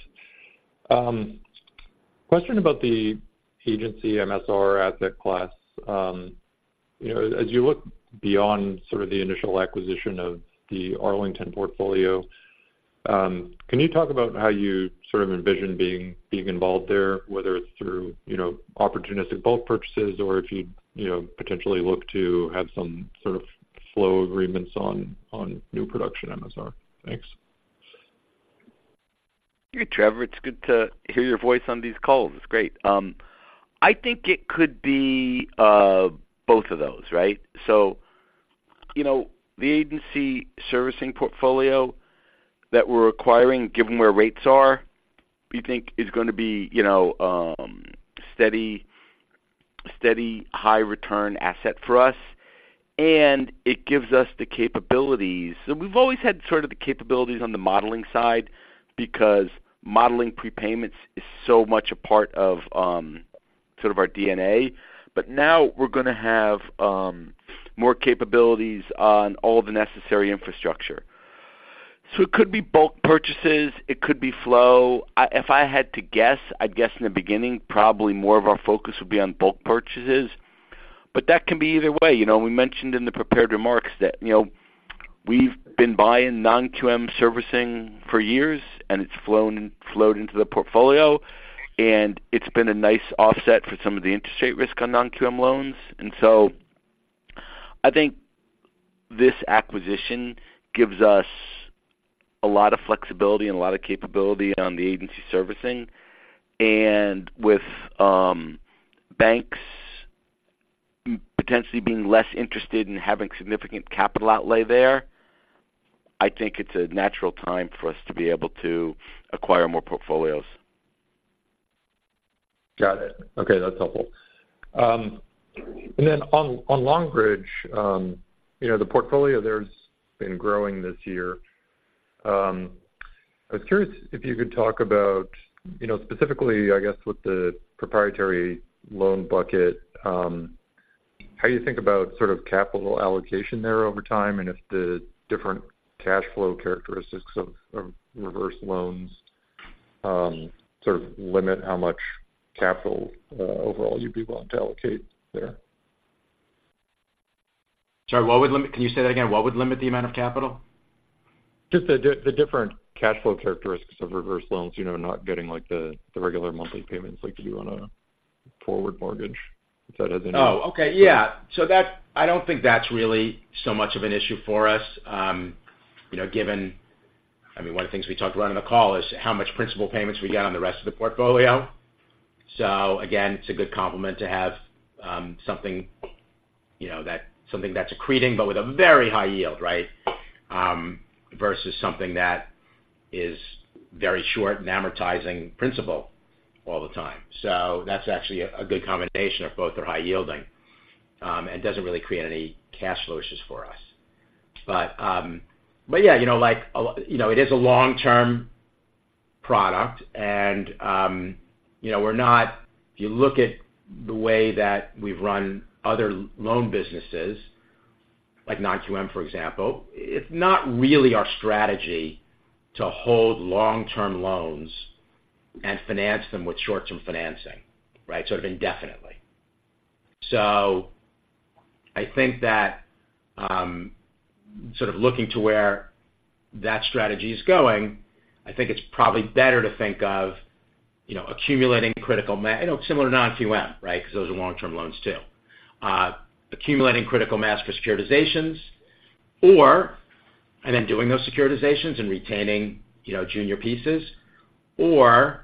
Question about the agency MSR asset class. You know, as you look beyond sort of the initial acquisition of the Arlington portfolio, can you talk about how you sort of envision being involved there, whether it's through, you know, opportunistic bulk purchases or if you'd, you know, potentially look to have some sort of flow agreements on new production MSR? Thanks. Hey, Trevor, it's good to hear your voice on these calls. It's great. I think it could be both of those, right? So, you know, the agency servicing portfolio that we're acquiring, given where rates are, we think is going to be, you know, steady, high return asset for us, and it gives us the capabilities. So we've always had sort of the capabilities on the modeling side, because modeling prepayments is so much a part of sort of our DNA. But now we're going to have more capabilities on all the necessary infrastructure. So it could be bulk purchases, it could be flow. If I had to guess, I'd guess in the beginning, probably more of our focus would be on bulk purchases, but that can be either way. You know, we mentioned in the prepared remarks that, you know, we've been buying non-QM servicing for years, and it's flown, flowed into the portfolio, and it's been a nice offset for some of the interest rate risk on non-QM loans. And so I think this acquisition gives us a lot of flexibility and a lot of capability on the agency servicing. And with banks potentially being less interested in having significant capital outlay there, I think it's a natural time for us to be able to acquire more portfolios. Got it. Okay, that's helpful. And then on Longbridge, you know, the portfolio there's been growing this year. I was curious if you could talk about, you know, specifically, I guess, with the proprietary loan bucket, how you think about sort of capital allocation there over time, and if the different cash flow characteristics of reverse loans sort of limit how much capital overall you'd be willing to allocate there? Sorry, what would limit-- Can you say that again? What would limit the amount of capital? Just the different cash flow characteristics of reverse loans, you know, not getting like the regular monthly payments like you do on a forward mortgage, if that has any- Oh, okay. Yeah. So that I don't think that's really so much of an issue for us. You know, given, I mean, one of the things we talked about on the call is how much principal payments we get on the rest of the portfolio. So again, it's a good complement to have, something, you know, that something that's accreting, but with a very high yield, right? Versus something that is very short and amortizing principal all the time. So that's actually a good combination of both are high yielding, and doesn't really create any cash flows just for us. But, but yeah, you know, like, you know, it is a long-term product, and, you know, we're not... If you look at the way that we've run other loan businesses, like non-QM, for example, it's not really our strategy to hold long-term loans and finance them with short-term financing, right? Sort of indefinitely. So I think that, sort of looking to where that strategy is going, I think it's probably better to think of, you know, accumulating critical mass, you know, similar to non-QM, right? Because those are long-term loans, too. Accumulating critical mass for securitizations or, and then doing those securitizations and retaining, you know, junior pieces or,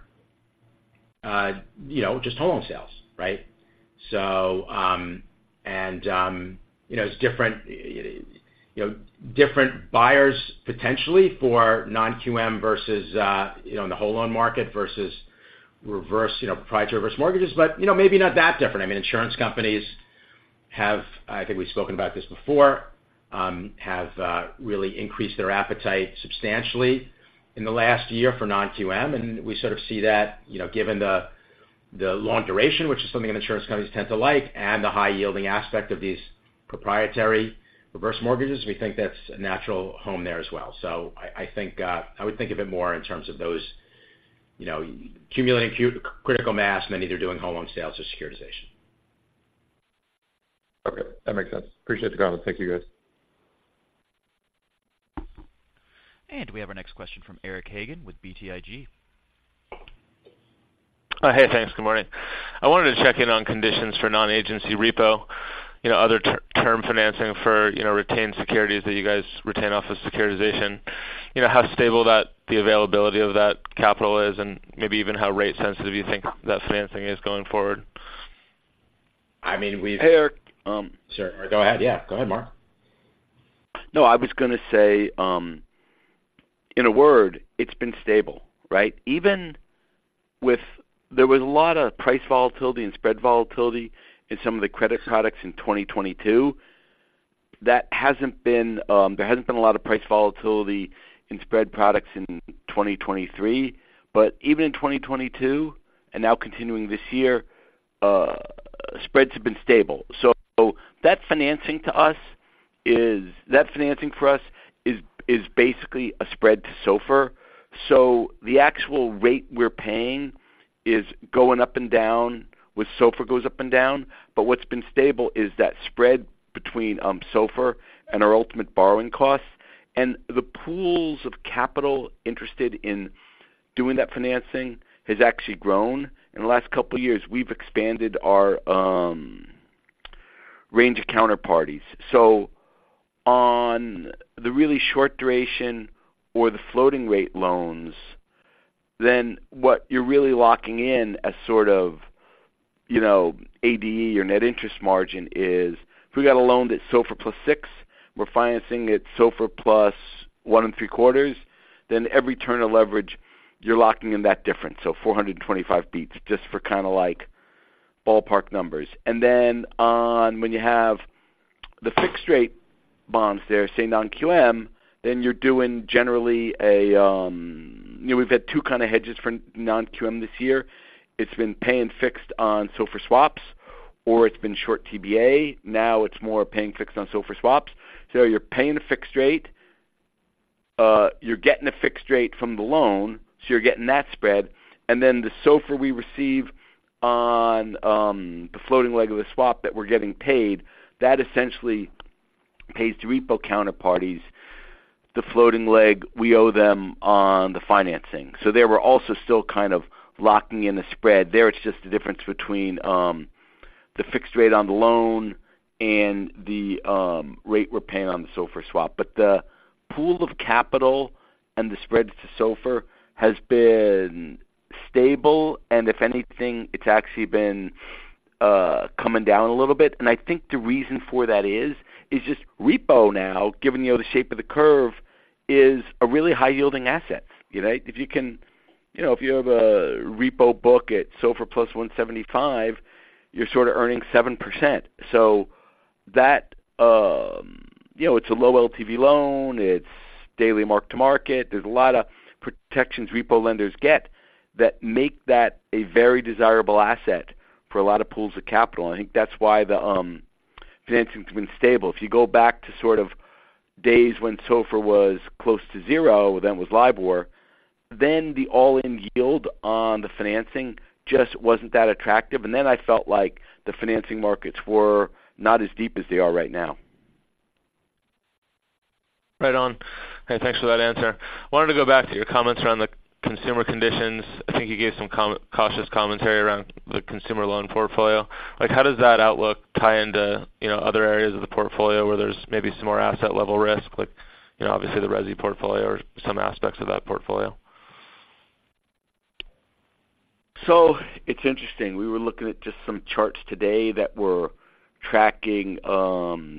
you know, just whole home sales, right? So, and, you know, it's different, you know, different buyers potentially for non-QM versus, you know, in the whole loan market versus reverse, you know, proprietary reverse mortgages, but, you know, maybe not that different. I mean, insurance companies have, I think we've spoken about this before, have really increased their appetite substantially in the last year for non-QM, and we sort of see that, you know, given the long duration, which is something that insurance companies tend to like, and the high-yielding aspect of these proprietary reverse mortgages, we think that's a natural home there as well. So I, I think, I would think of it more in terms of those, you know, accumulating critical mass and then either doing whole home sales or securitization. Okay, that makes sense. Appreciate the comment. Thank you, guys. We have our next question from Eric Hagen with BTIG. Hey, thanks. Good morning. I wanted to check in on conditions for non-agency repo, you know, other term financing for, you know, retained securities that you guys retain off of securitization. You know, how stable that, the availability of that capital is and maybe even how rate sensitive you think that financing is going forward? I mean, we've- Hey, Eric. Sure. Go ahead. Yeah, go ahead, Mark. No, I was going to say, in a word, it's been stable, right? Even with... There was a lot of price volatility and spread volatility in some of the credit products in 2022. That hasn't been, there hasn't been a lot of price volatility in spread products in 2023, but even in 2022, and now continuing this year, spreads have been stable. So that financing to us is-- that financing for us is basically a spread to SOFR. So the actual rate we're paying is going up and down with SOFR goes up and down, but what's been stable is that spread between, SOFR and our ultimate borrowing costs. And the pools of capital interested in doing that financing has actually grown. In the last couple of years, we've expanded our, range of counterparties. So on the really short duration or the floating rate loans, then what you're really locking in as sort of, you know, ADE or net interest margin is, if we got a loan that's SOFR plus 6 we're financing it SOFR plus 1.75. Then every turn of leverage, you're locking in that difference. So 425 basis points, just for kind of like ballpark numbers. And then on, when you have the fixed rate bonds there, say, non-QM, then you're doing generally a, you know, we've had two kind of hedges for non-QM this year. It's been paying fixed on SOFR swaps, or it's been short TBA. Now it's more paying fixed on SOFR swaps. So you're paying a fixed rate, you're getting a fixed rate from the loan, so you're getting that spread. And then the SOFR we receive on the floating leg of the swap that we're getting paid, that essentially pays to repo counterparties. The floating leg, we owe them on the financing. So there, we're also still kind of locking in the spread. There, it's just the difference between the fixed rate on the loan and the rate we're paying on the SOFR swap. But the pool of capital and the spreads to SOFR has been stable, and if anything, it's actually been coming down a little bit. And I think the reason for that is just repo now, given, you know, the shape of the curve, is a really high-yielding asset, you know? If you can you know, if you have a repo book at SOFR plus 175, you're sort of earning 7%. So that, you know, it's a low LTV loan, it's daily mark to market. There's a lot of protections repo lenders get that make that a very desirable asset for a lot of pools of capital. I think that's why the financing has been stable. If you go back to sort of days when SOFR was close to zero, then it was LIBOR, then the all-in yield on the financing just wasn't that attractive. And then I felt like the financing markets were not as deep as they are right now. Right on. And thanks for that answer. I wanted to go back to your comments around the consumer conditions. I think you gave some cautious commentary around the consumer loan portfolio. Like, how does that outlook tie into, you know, other areas of the portfolio where there's maybe some more asset-level risk, like, you know, obviously the Resi portfolio or some aspects of that portfolio? So it's interesting. We were looking at just some charts today that were tracking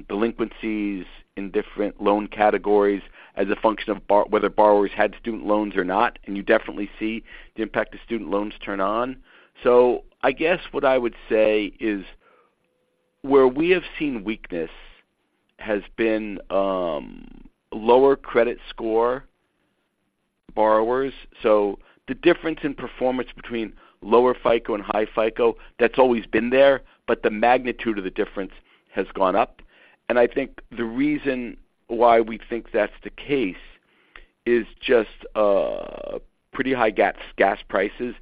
delinquencies in different loan categories as a function of whether borrowers had student loans or not, and you definitely see the impact the student loans turn on. So I guess what I would say is, where we have seen weakness has been lower credit score borrowers. So the difference in performance between lower FICO and high FICO, that's always been there, but the magnitude of the difference has gone up. And I think the reason why we think that's the case is just pretty high gas prices,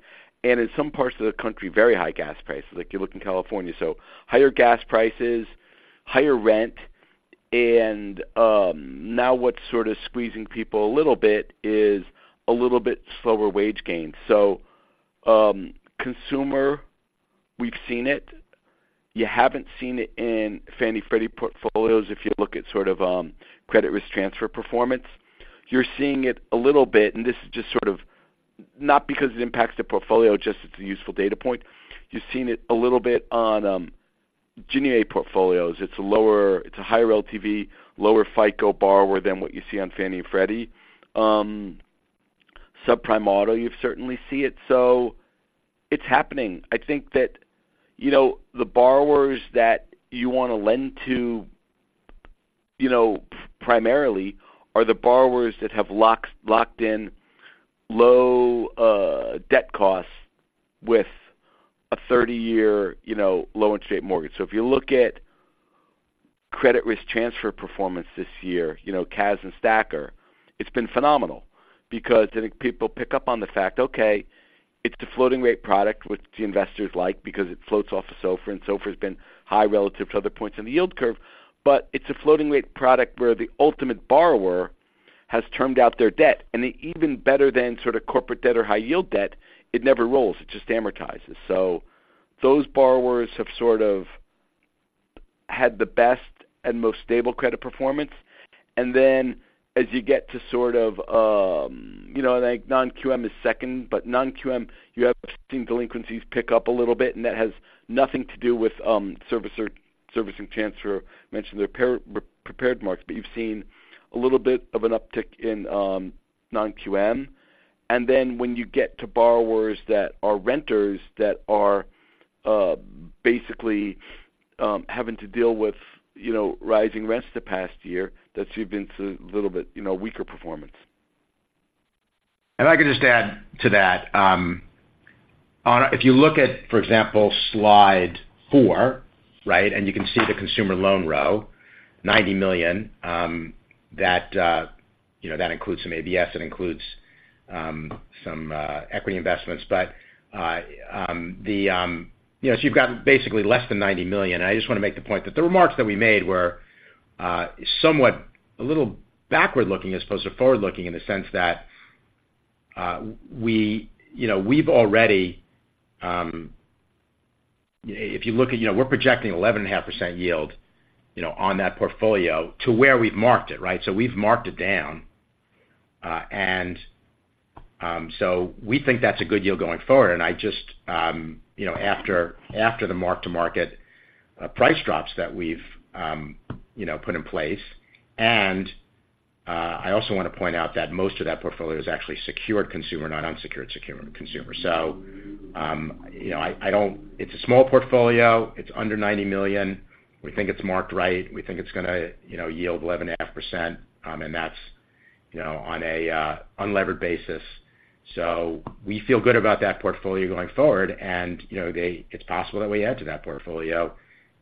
and in some parts of the country, very high gas prices. Like, you look in California. So higher gas prices, higher rent, and now what's sort of squeezing people a little bit is a little bit slower wage gains. So, consumer, we've seen it. You haven't seen it in Fannie and Freddie portfolios. If you look at sort of, credit risk transfer performance, you're seeing it a little bit. And this is just sort of... not because it impacts the portfolio, just it's a useful data point. You've seen it a little bit on, Ginnie Mae portfolios. It's a higher LTV, lower FICO borrower than what you see on Fannie and Freddie. Subprime auto, you certainly see it. So it's happening. I think that, you know, the borrowers that you want to lend to, you know, primarily are the borrowers that have locked in low, debt costs with a 30-year, you know, low interest rate mortgage. So if you look at credit risk transfer performance this year, you know, CAS and STACR, it's been phenomenal because I think people pick up on the fact, okay, it's a floating rate product, which the investors like because it floats off of SOFR, and SOFR has been high relative to other points in the yield curve, but it's a floating rate product where the ultimate borrower has termed out their debt. And even better than sort of corporate debt or high yield debt, it never rolls, it just amortizes. So those borrowers have sort of had the best and most stable credit performance. And then as you get to sort of, you know, like non-QM is second, but non-QM, you have seen delinquencies pick up a little bit, and that has nothing to do with, servicer, servicing transfer mentioned in the prepared remarks, but you've seen a little bit of an uptick in, non-QM. And then when you get to borrowers that are renters, that are, basically, having to deal with, you know, rising rents the past year, that's even to a little bit, you know, weaker performance. I can just add to that. If you look at, for example, slide four, right, and you can see the consumer loan row, $90 million, that, you know, that includes some ABS, it includes some equity investments. But, you know, so you've got basically less than $90 million. I just want to make the point that the remarks that we made were somewhat a little backward-looking as opposed to forward-looking, in the sense that, we, you know, we've already, if you look at... You know, we're projecting 11.5% yield, you know, on that portfolio to where we've marked it, right? So we've marked it down, and-... So we think that's a good deal going forward, and I just, you know, after the mark-to-market price drops that we've, you know, put in place. And I also want to point out that most of that portfolio is actually secured consumer, not unsecured consumer. So, you know, I don't-- It's a small portfolio. It's under $90 million. We think it's marked right. We think it's gonna, you know, yield 11.5%, and that's, you know, on a unlevered basis. So we feel good about that portfolio going forward, and, you know, it's possible that we add to that portfolio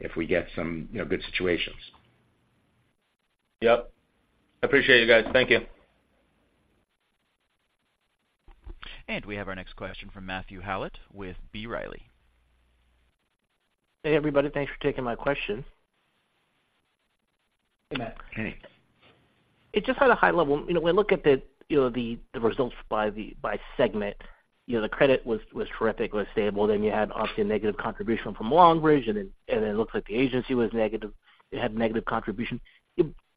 if we get some, you know, good situations. Yep. I appreciate it, you guys. Thank you. We have our next question from Matthew Howlett with B. Riley. Hey, everybody. Thanks for taking my question. Hey, Matt. Hey. Just at a high level, you know, when we look at the, you know, the results by the, by segment, you know, the credit was terrific, was stable, then you had obviously a negative contribution from Longbridge, and then, and then it looked like the agency was negative, it had negative contribution.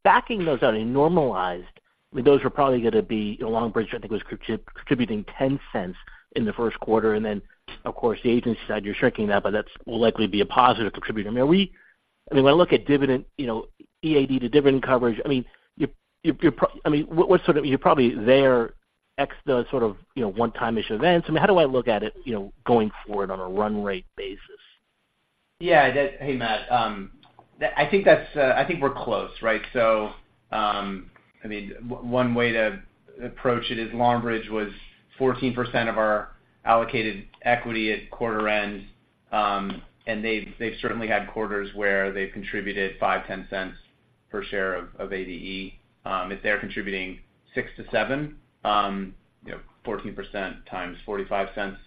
Backing those out and normalized, I mean, those are probably gonna be, you know, Longbridge, I think, was contributing $0.10 in the first quarter. And then, of course, the agency side, you're shrinking that, but that's will likely be a positive contributor. I mean, are we-- I mean, when I look at dividend, you know, EAD to dividend coverage, I mean, you're probably I mean, what, what sort of... You're probably there, ex the sort of, you know, one-time issue events. I mean, how do I look at it, you know, going forward on a run rate basis? Yeah, hey, Matt. I think that's, I think we're close, right? So, I mean, one way to approach it is Longbridge was 14% of our allocated equity at quarter end, and they've, they've certainly had quarters where they've contributed $0.05, $0.10 per share of ADE. If they're contributing $0.06-$0.07, you know, 14% times $0.45.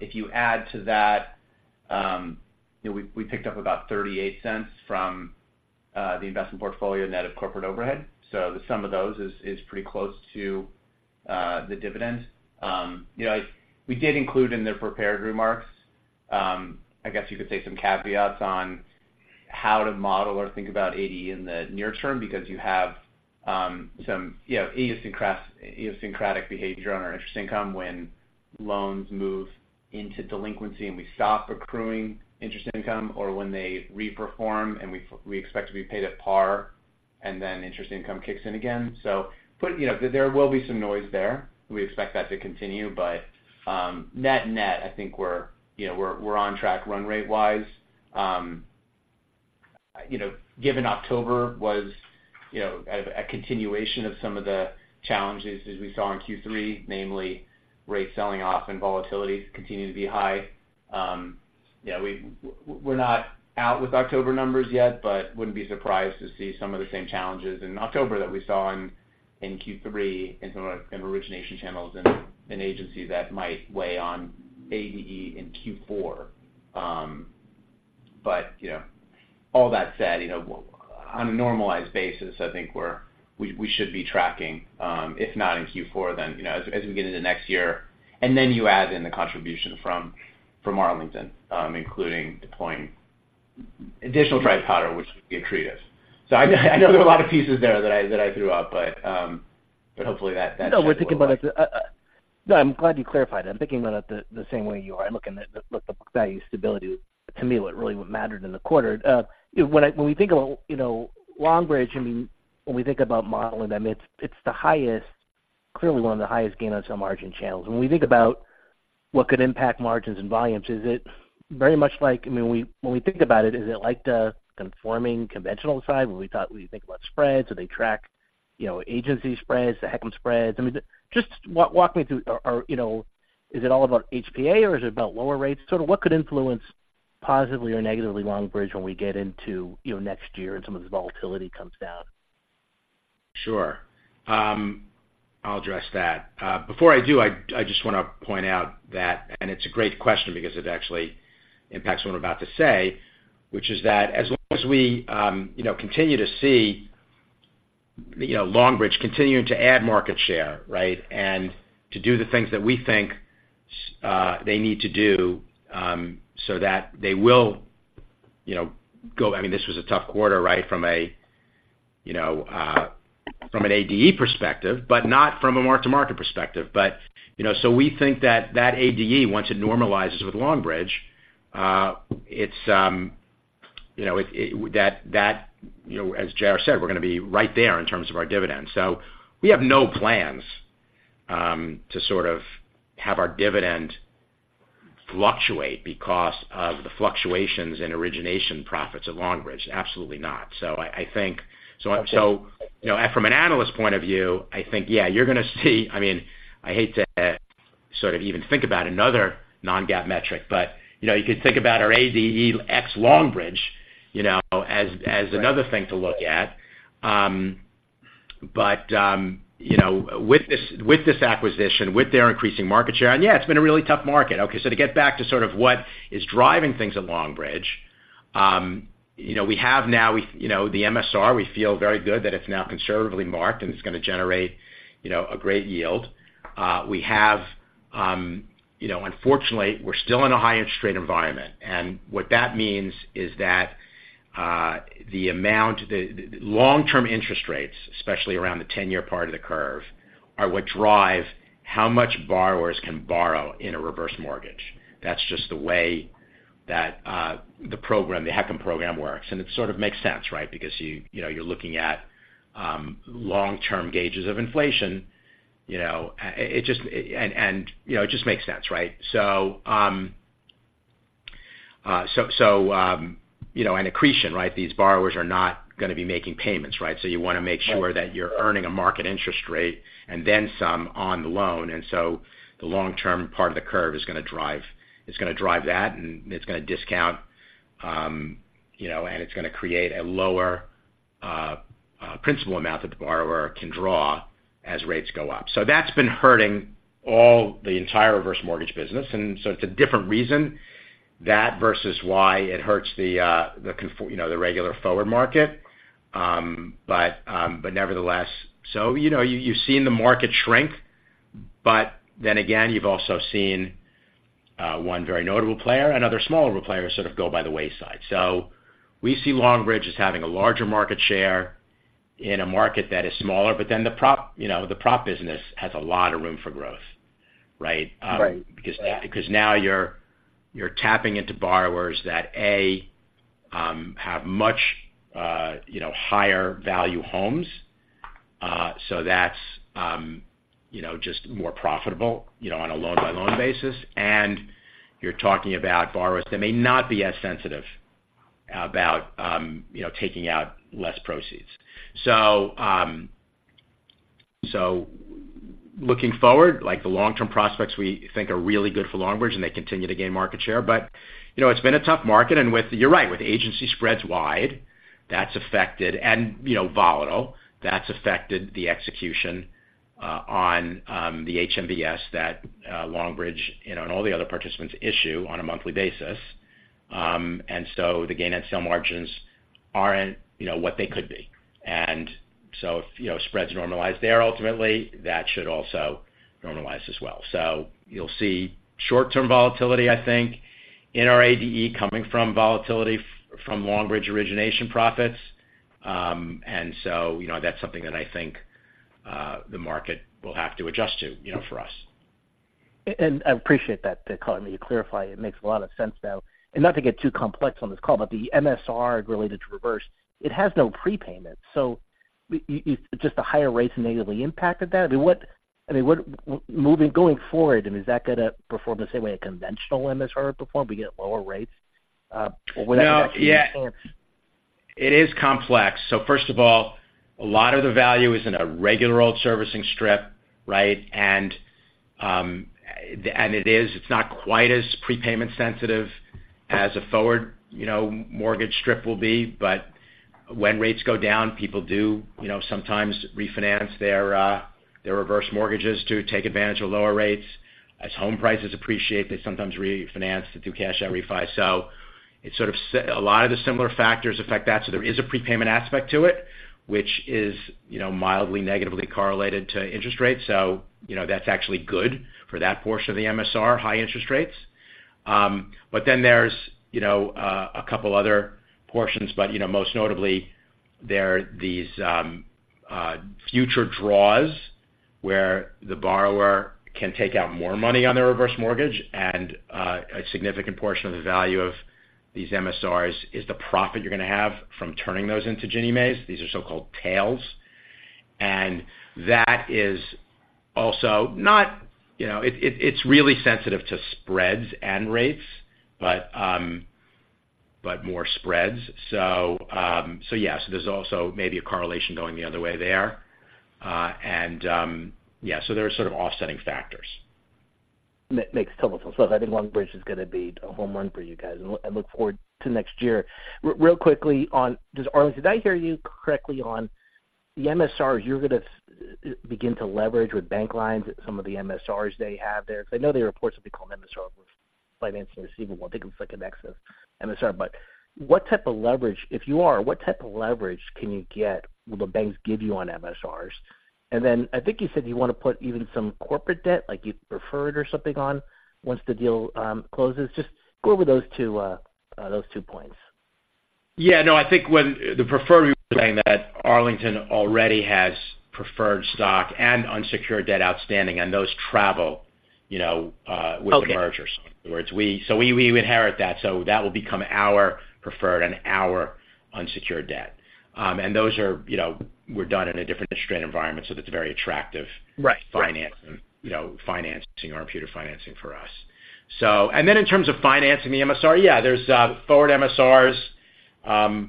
If you add to that, you know, we, we picked up about $0.38 from the investment portfolio net of corporate overhead. So the sum of those is pretty close to the dividend. You know, we did include in the prepared remarks, I guess you could say some caveats on how to model or think about ADE in the near term, because you have some, you know, idiosyncratic behavior on our interest income when loans move into delinquency and we stop accruing interest income, or when they re-perform, and we expect to be paid at par, and then interest income kicks in again. But, you know, there will be some noise there. We expect that to continue, but net-net, I think we're, you know, on track run rate-wise. You know, given October was a continuation of some of the challenges as we saw in Q3, namely, rates selling off and volatility continuing to be high, yeah, we're not out with October numbers yet, but wouldn't be surprised to see some of the same challenges in October that we saw in Q3 in some of our origination channels and agencies that might weigh on ADE in Q4. But, you know, all that said, you know, on a normalized basis, I think we should be tracking, if not in Q4, then, you know, as we get into next year. And then you add in the contribution from Arlington, including deploying additional dry powder, which would be accretive. So I know there are a lot of pieces there that I threw out, but hopefully that. No, we're thinking about it. No, I'm glad you clarified that. I'm thinking about it the same way you are. I'm looking at the book value stability, to me, what really mattered in the quarter. When we think about, you know, Longbridge, I mean, when we think about modeling them, it's the highest, clearly one of the highest gain on sale margin channels. When we think about what could impact margins and volumes, is it very much like... I mean, when we think about it, is it like the conforming conventional side, when we think about spreads, do they track, you know, agency spreads, the HECM spreads? I mean, just walk me through, or, you know, is it all about HPA or is it about lower rates? Sort of what could influence positively or negatively Longbridge when we get into, you know, next year and some of this volatility comes down? Sure. I'll address that. Before I do, I just wanna point out that, and it's a great question because it actually impacts what I'm about to say, which is that as long as we, you know, continue to see, you know, Longbridge continuing to add market share, right? And to do the things that we think, they need to do, so that they will, you know, go... I mean, this was a tough quarter, right, from a, you know, from an ADE perspective, but not from a mark-to-market perspective. But, you know, so we think that that ADE, once it normalizes with Longbridge, it's, you know, it, it, that, that, you know, as JR. said, we're gonna be right there in terms of our dividend. So we have no plans to sort of have our dividend fluctuate because of the fluctuations in origination profits at Longbridge. Absolutely not. So I think, you know, from an analyst point of view, I think, yeah, you're gonna see, I mean, I hate to sort of even think about another non-GAAP metric, but, you know, you could think about our ADE ex Longbridge, you know, as another thing to look at. But you know, with this acquisition, with their increasing market share, and, yeah, it's been a really tough market. Okay, so to get back to sort of what is driving things at Longbridge, you know, we have now, you know, the MSR, we feel very good that it's now conservatively marked, and it's gonna generate, you know, a great yield. We have... You know, unfortunately, we're still in a high interest rate environment, and what that means is that the amount—the long-term interest rates, especially around the 10-year part of the curve, are what drive how much borrowers can borrow in a reverse mortgage. That's just the way that the program, the HECM program works, and it sort of makes sense, right? Because you know, you're looking at long-term gauges of inflation, you know, it just makes sense, right? So, you know, and accretion, right? These borrowers are not gonna be making payments, right? So you wanna make sure that you're earning a market interest rate and then some on the loan. And so the long-term part of the curve is gonna drive, it's gonna drive that, and it's gonna discount, you know, and it's gonna create a lower principal amount that the borrower can draw as rates go up. So that's been hurting all the entire reverse mortgage business, and so it's a different reason that versus why it hurts the conforming, you know, the regular forward market. But, but nevertheless... So, you know, you've seen the market shrink, but then again, you've also seen one very notable player and other smaller players sort of go by the wayside. So we see Longbridge as having a larger market share in a market that is smaller, but then the prop, you know, the prop business has a lot of room for growth, right? Right. Because now you're tapping into borrowers that have much, you know, higher value homes. So that's, you know, just more profitable, you know, on a loan-by-loan basis. And you're talking about borrowers that may not be as sensitive about, you know, taking out less proceeds. So looking forward, like, the long-term prospects, we think are really good for Longbridge, and they continue to gain market share. But, you know, it's been a tough market, and with. You're right, with agency spreads wide, that's affected, and, you know, volatile, that's affected the execution on the HMBS that Longbridge, you know, and all the other participants issue on a monthly basis. And so the gain and sale margins aren't, you know, what they could be. And so if, you know, spreads normalize there, ultimately, that should also normalize as well. So you'll see short-term volatility, I think, in our ADE coming from volatility from Longbridge origination profits. And so, you know, that's something that I think, the market will have to adjust to, you know, for us. I appreciate that clarity, you clarify it. It makes a lot of sense now. Not to get too complex on this call, but the MSR related to reverse, it has no prepayment. So just the higher rates negatively impacted that? I mean, going forward, I mean, is that gonna perform the same way a conventional MSR would perform, we get lower rates, or would that actually- No, yeah. It is complex. So first of all, a lot of the value is in a regular old servicing strip, right? And it is, it's not quite as prepayment sensitive as a forward, you know, mortgage strip will be, but when rates go down, people do, you know, sometimes refinance their reverse mortgages to take advantage of lower rates. As home prices appreciate, they sometimes refinance to do cash out refi. So it sort of A lot of the similar factors affect that, so there is a prepayment aspect to it, which is, you know, mildly negatively correlated to interest rates. So, you know, that's actually good for that portion of the MSR, high interest rates. But then there's, you know, a couple other portions. But, you know, most notably, there are these future draws, where the borrower can take out more money on their reverse mortgage, and a significant portion of the value of these MSRs is the profit you're gonna have from turning those into Ginnie Maes. These are so-called tails, and that is also not... You know, it it's really sensitive to spreads and rates, but but more spreads. So yes, there's also maybe a correlation going the other way there. And yeah, so there are sort of offsetting factors. Makes total sense. So I think LongBridge is gonna be a home run for you guys, and I look forward to next year. Real quickly on... does Arlington, did I hear you correctly on the MSRs, you're gonna begin to leverage with bank lines some of the MSRs they have there? Because I know their reports will be called MSR with financing receivable. I think it's like a excess MSR. But what type of leverage. If you are, what type of leverage can you get, will the banks give you on MSRs? And then I think you said you want to put even some corporate debt, like you preferred or something on, once the deal closes. Just go over those two, those two points. Yeah, no, I think when the preferred, saying that Arlington already has preferred stock and unsecured debt outstanding, and those travel, you know. Okay. with the mergers. In other words, we-- So we, we inherit that, so that will become our preferred and our unsecured debt. And those are, you know, we're done in a different interest rate environment, so that's very attractive- Right. - financing, you know, financing or computer financing for us. So, and then in terms of financing the MSR, yeah, there's forward MSRs, there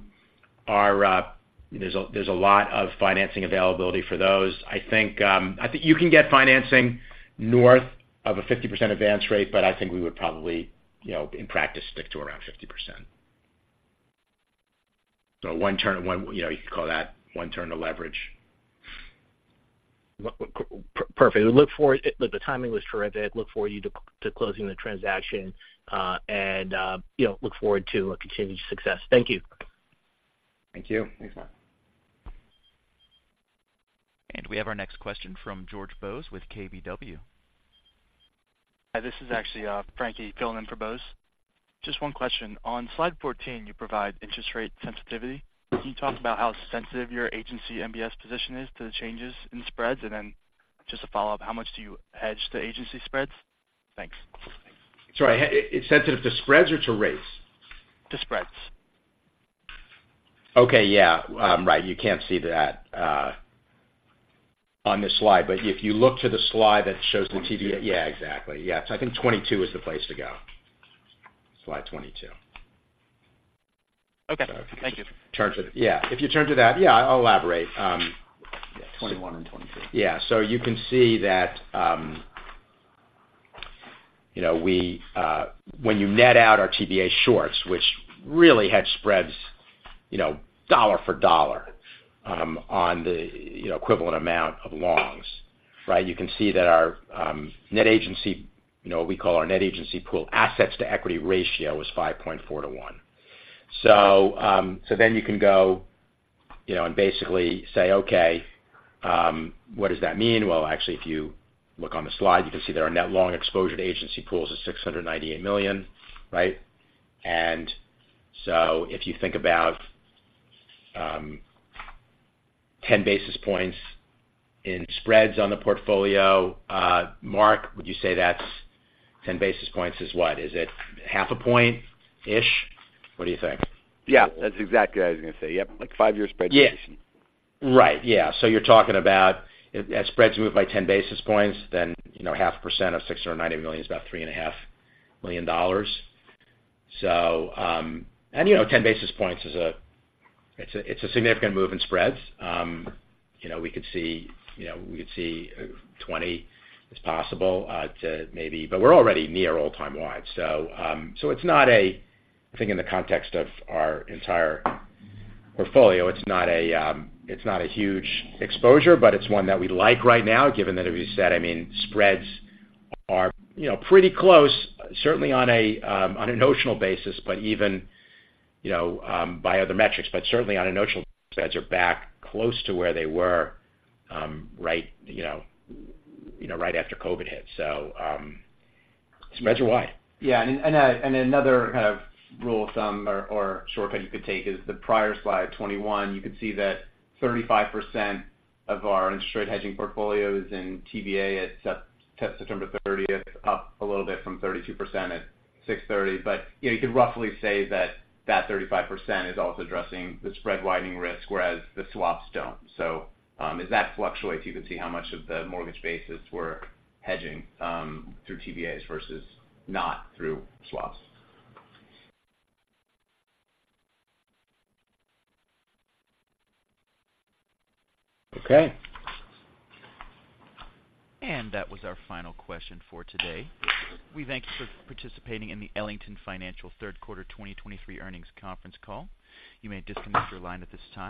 is a lot of financing availability for those. I think you can get financing north of a 50% advance rate, but I think we would probably, you know, in practice, stick to around 50%. So one turn, one, you know, you could call that one turn of leverage. Perfect. We look forward... Look, the timing was terrific. Look forward to you closing the transaction, and, you know, look forward to a continued success. Thank you. Thank you. Thanks, Mark.... we have our next question from George Bose with KBW. Hi, this is actually Frankie filling in for Bose. Just one question. On slide 14, you provide interest rate sensitivity. Can you talk about how sensitive your agency MBS position is to the changes in spreads? And then just a follow-up, how much do you hedge the agency spreads? Thanks. Sorry, is sensitive to spreads or to rates? To spreads. Okay. Yeah, right. You can't see that on this slide, but if you look to the slide that shows the TBA- Twenty-two. Yeah, exactly. Yeah. So I think 22 is the place to go. Slide 22. Okay, thank you. Yeah, if you turn to that. Yeah, I'll elaborate. Yeah, 2021 and 2022. Yeah. So you can see that, you know, we, when you net out our TBA shorts, which really had spreads, you know, dollar for dollar, on the, you know, equivalent amount of longs, right? You can see that our, net agency, you know, what we call our net agency pool, assets to equity ratio is 5.4-to-1. So, so then you can go, you know, and basically say, "Okay, what does that mean?" Well, actually, if you look on the slide, you can see that our net long exposure to agency pools is $698 million, right? And so if you think about, 10 basis points in spreads on the portfolio, Mark, would you say that's, 10 basis points is what? Is it half a point-ish? What do you think? Yeah, that's exactly what I was going to say. Yep, like 5-year spread position. Yeah. Right. Yeah. So you're talking about if, as spreads move by 10 basis points, then, you know, 0.5% of $690 million is about $3.5 million. So, and, you know, 10 basis points is a significant move in spreads. You know, we could see, you know, we could see 20 as possible, to maybe but we're already near all-time wide. So, it's not a—I think in the context of our entire portfolio, it's not a huge exposure, but it's one that we like right now, given that, as you said, I mean, spreads are, you know, pretty close, certainly on a notional basis, but even, you know, by other metrics, but certainly on a notional spreads are back close to where they were, right, you know, right after COVID hit. So, spreads are wide. Yeah. And another kind of rule of thumb or shortcut you could take is the prior slide, 21. You could see that 35% of our interest rate hedging portfolio is in TBA at September 30th, up a little bit from 32% at June 30. But, yeah, you could roughly say that that 35% is also addressing the spread widening risk, whereas the swaps don't. So, as that fluctuates, you can see how much of the mortgage basis we're hedging through TBAs versus not through swaps. - Okay. That was our final question for today. We thank you for participating in the Ellington Financial Third Quarter 2023 Earnings Conference Call. You may disconnect your line at this time.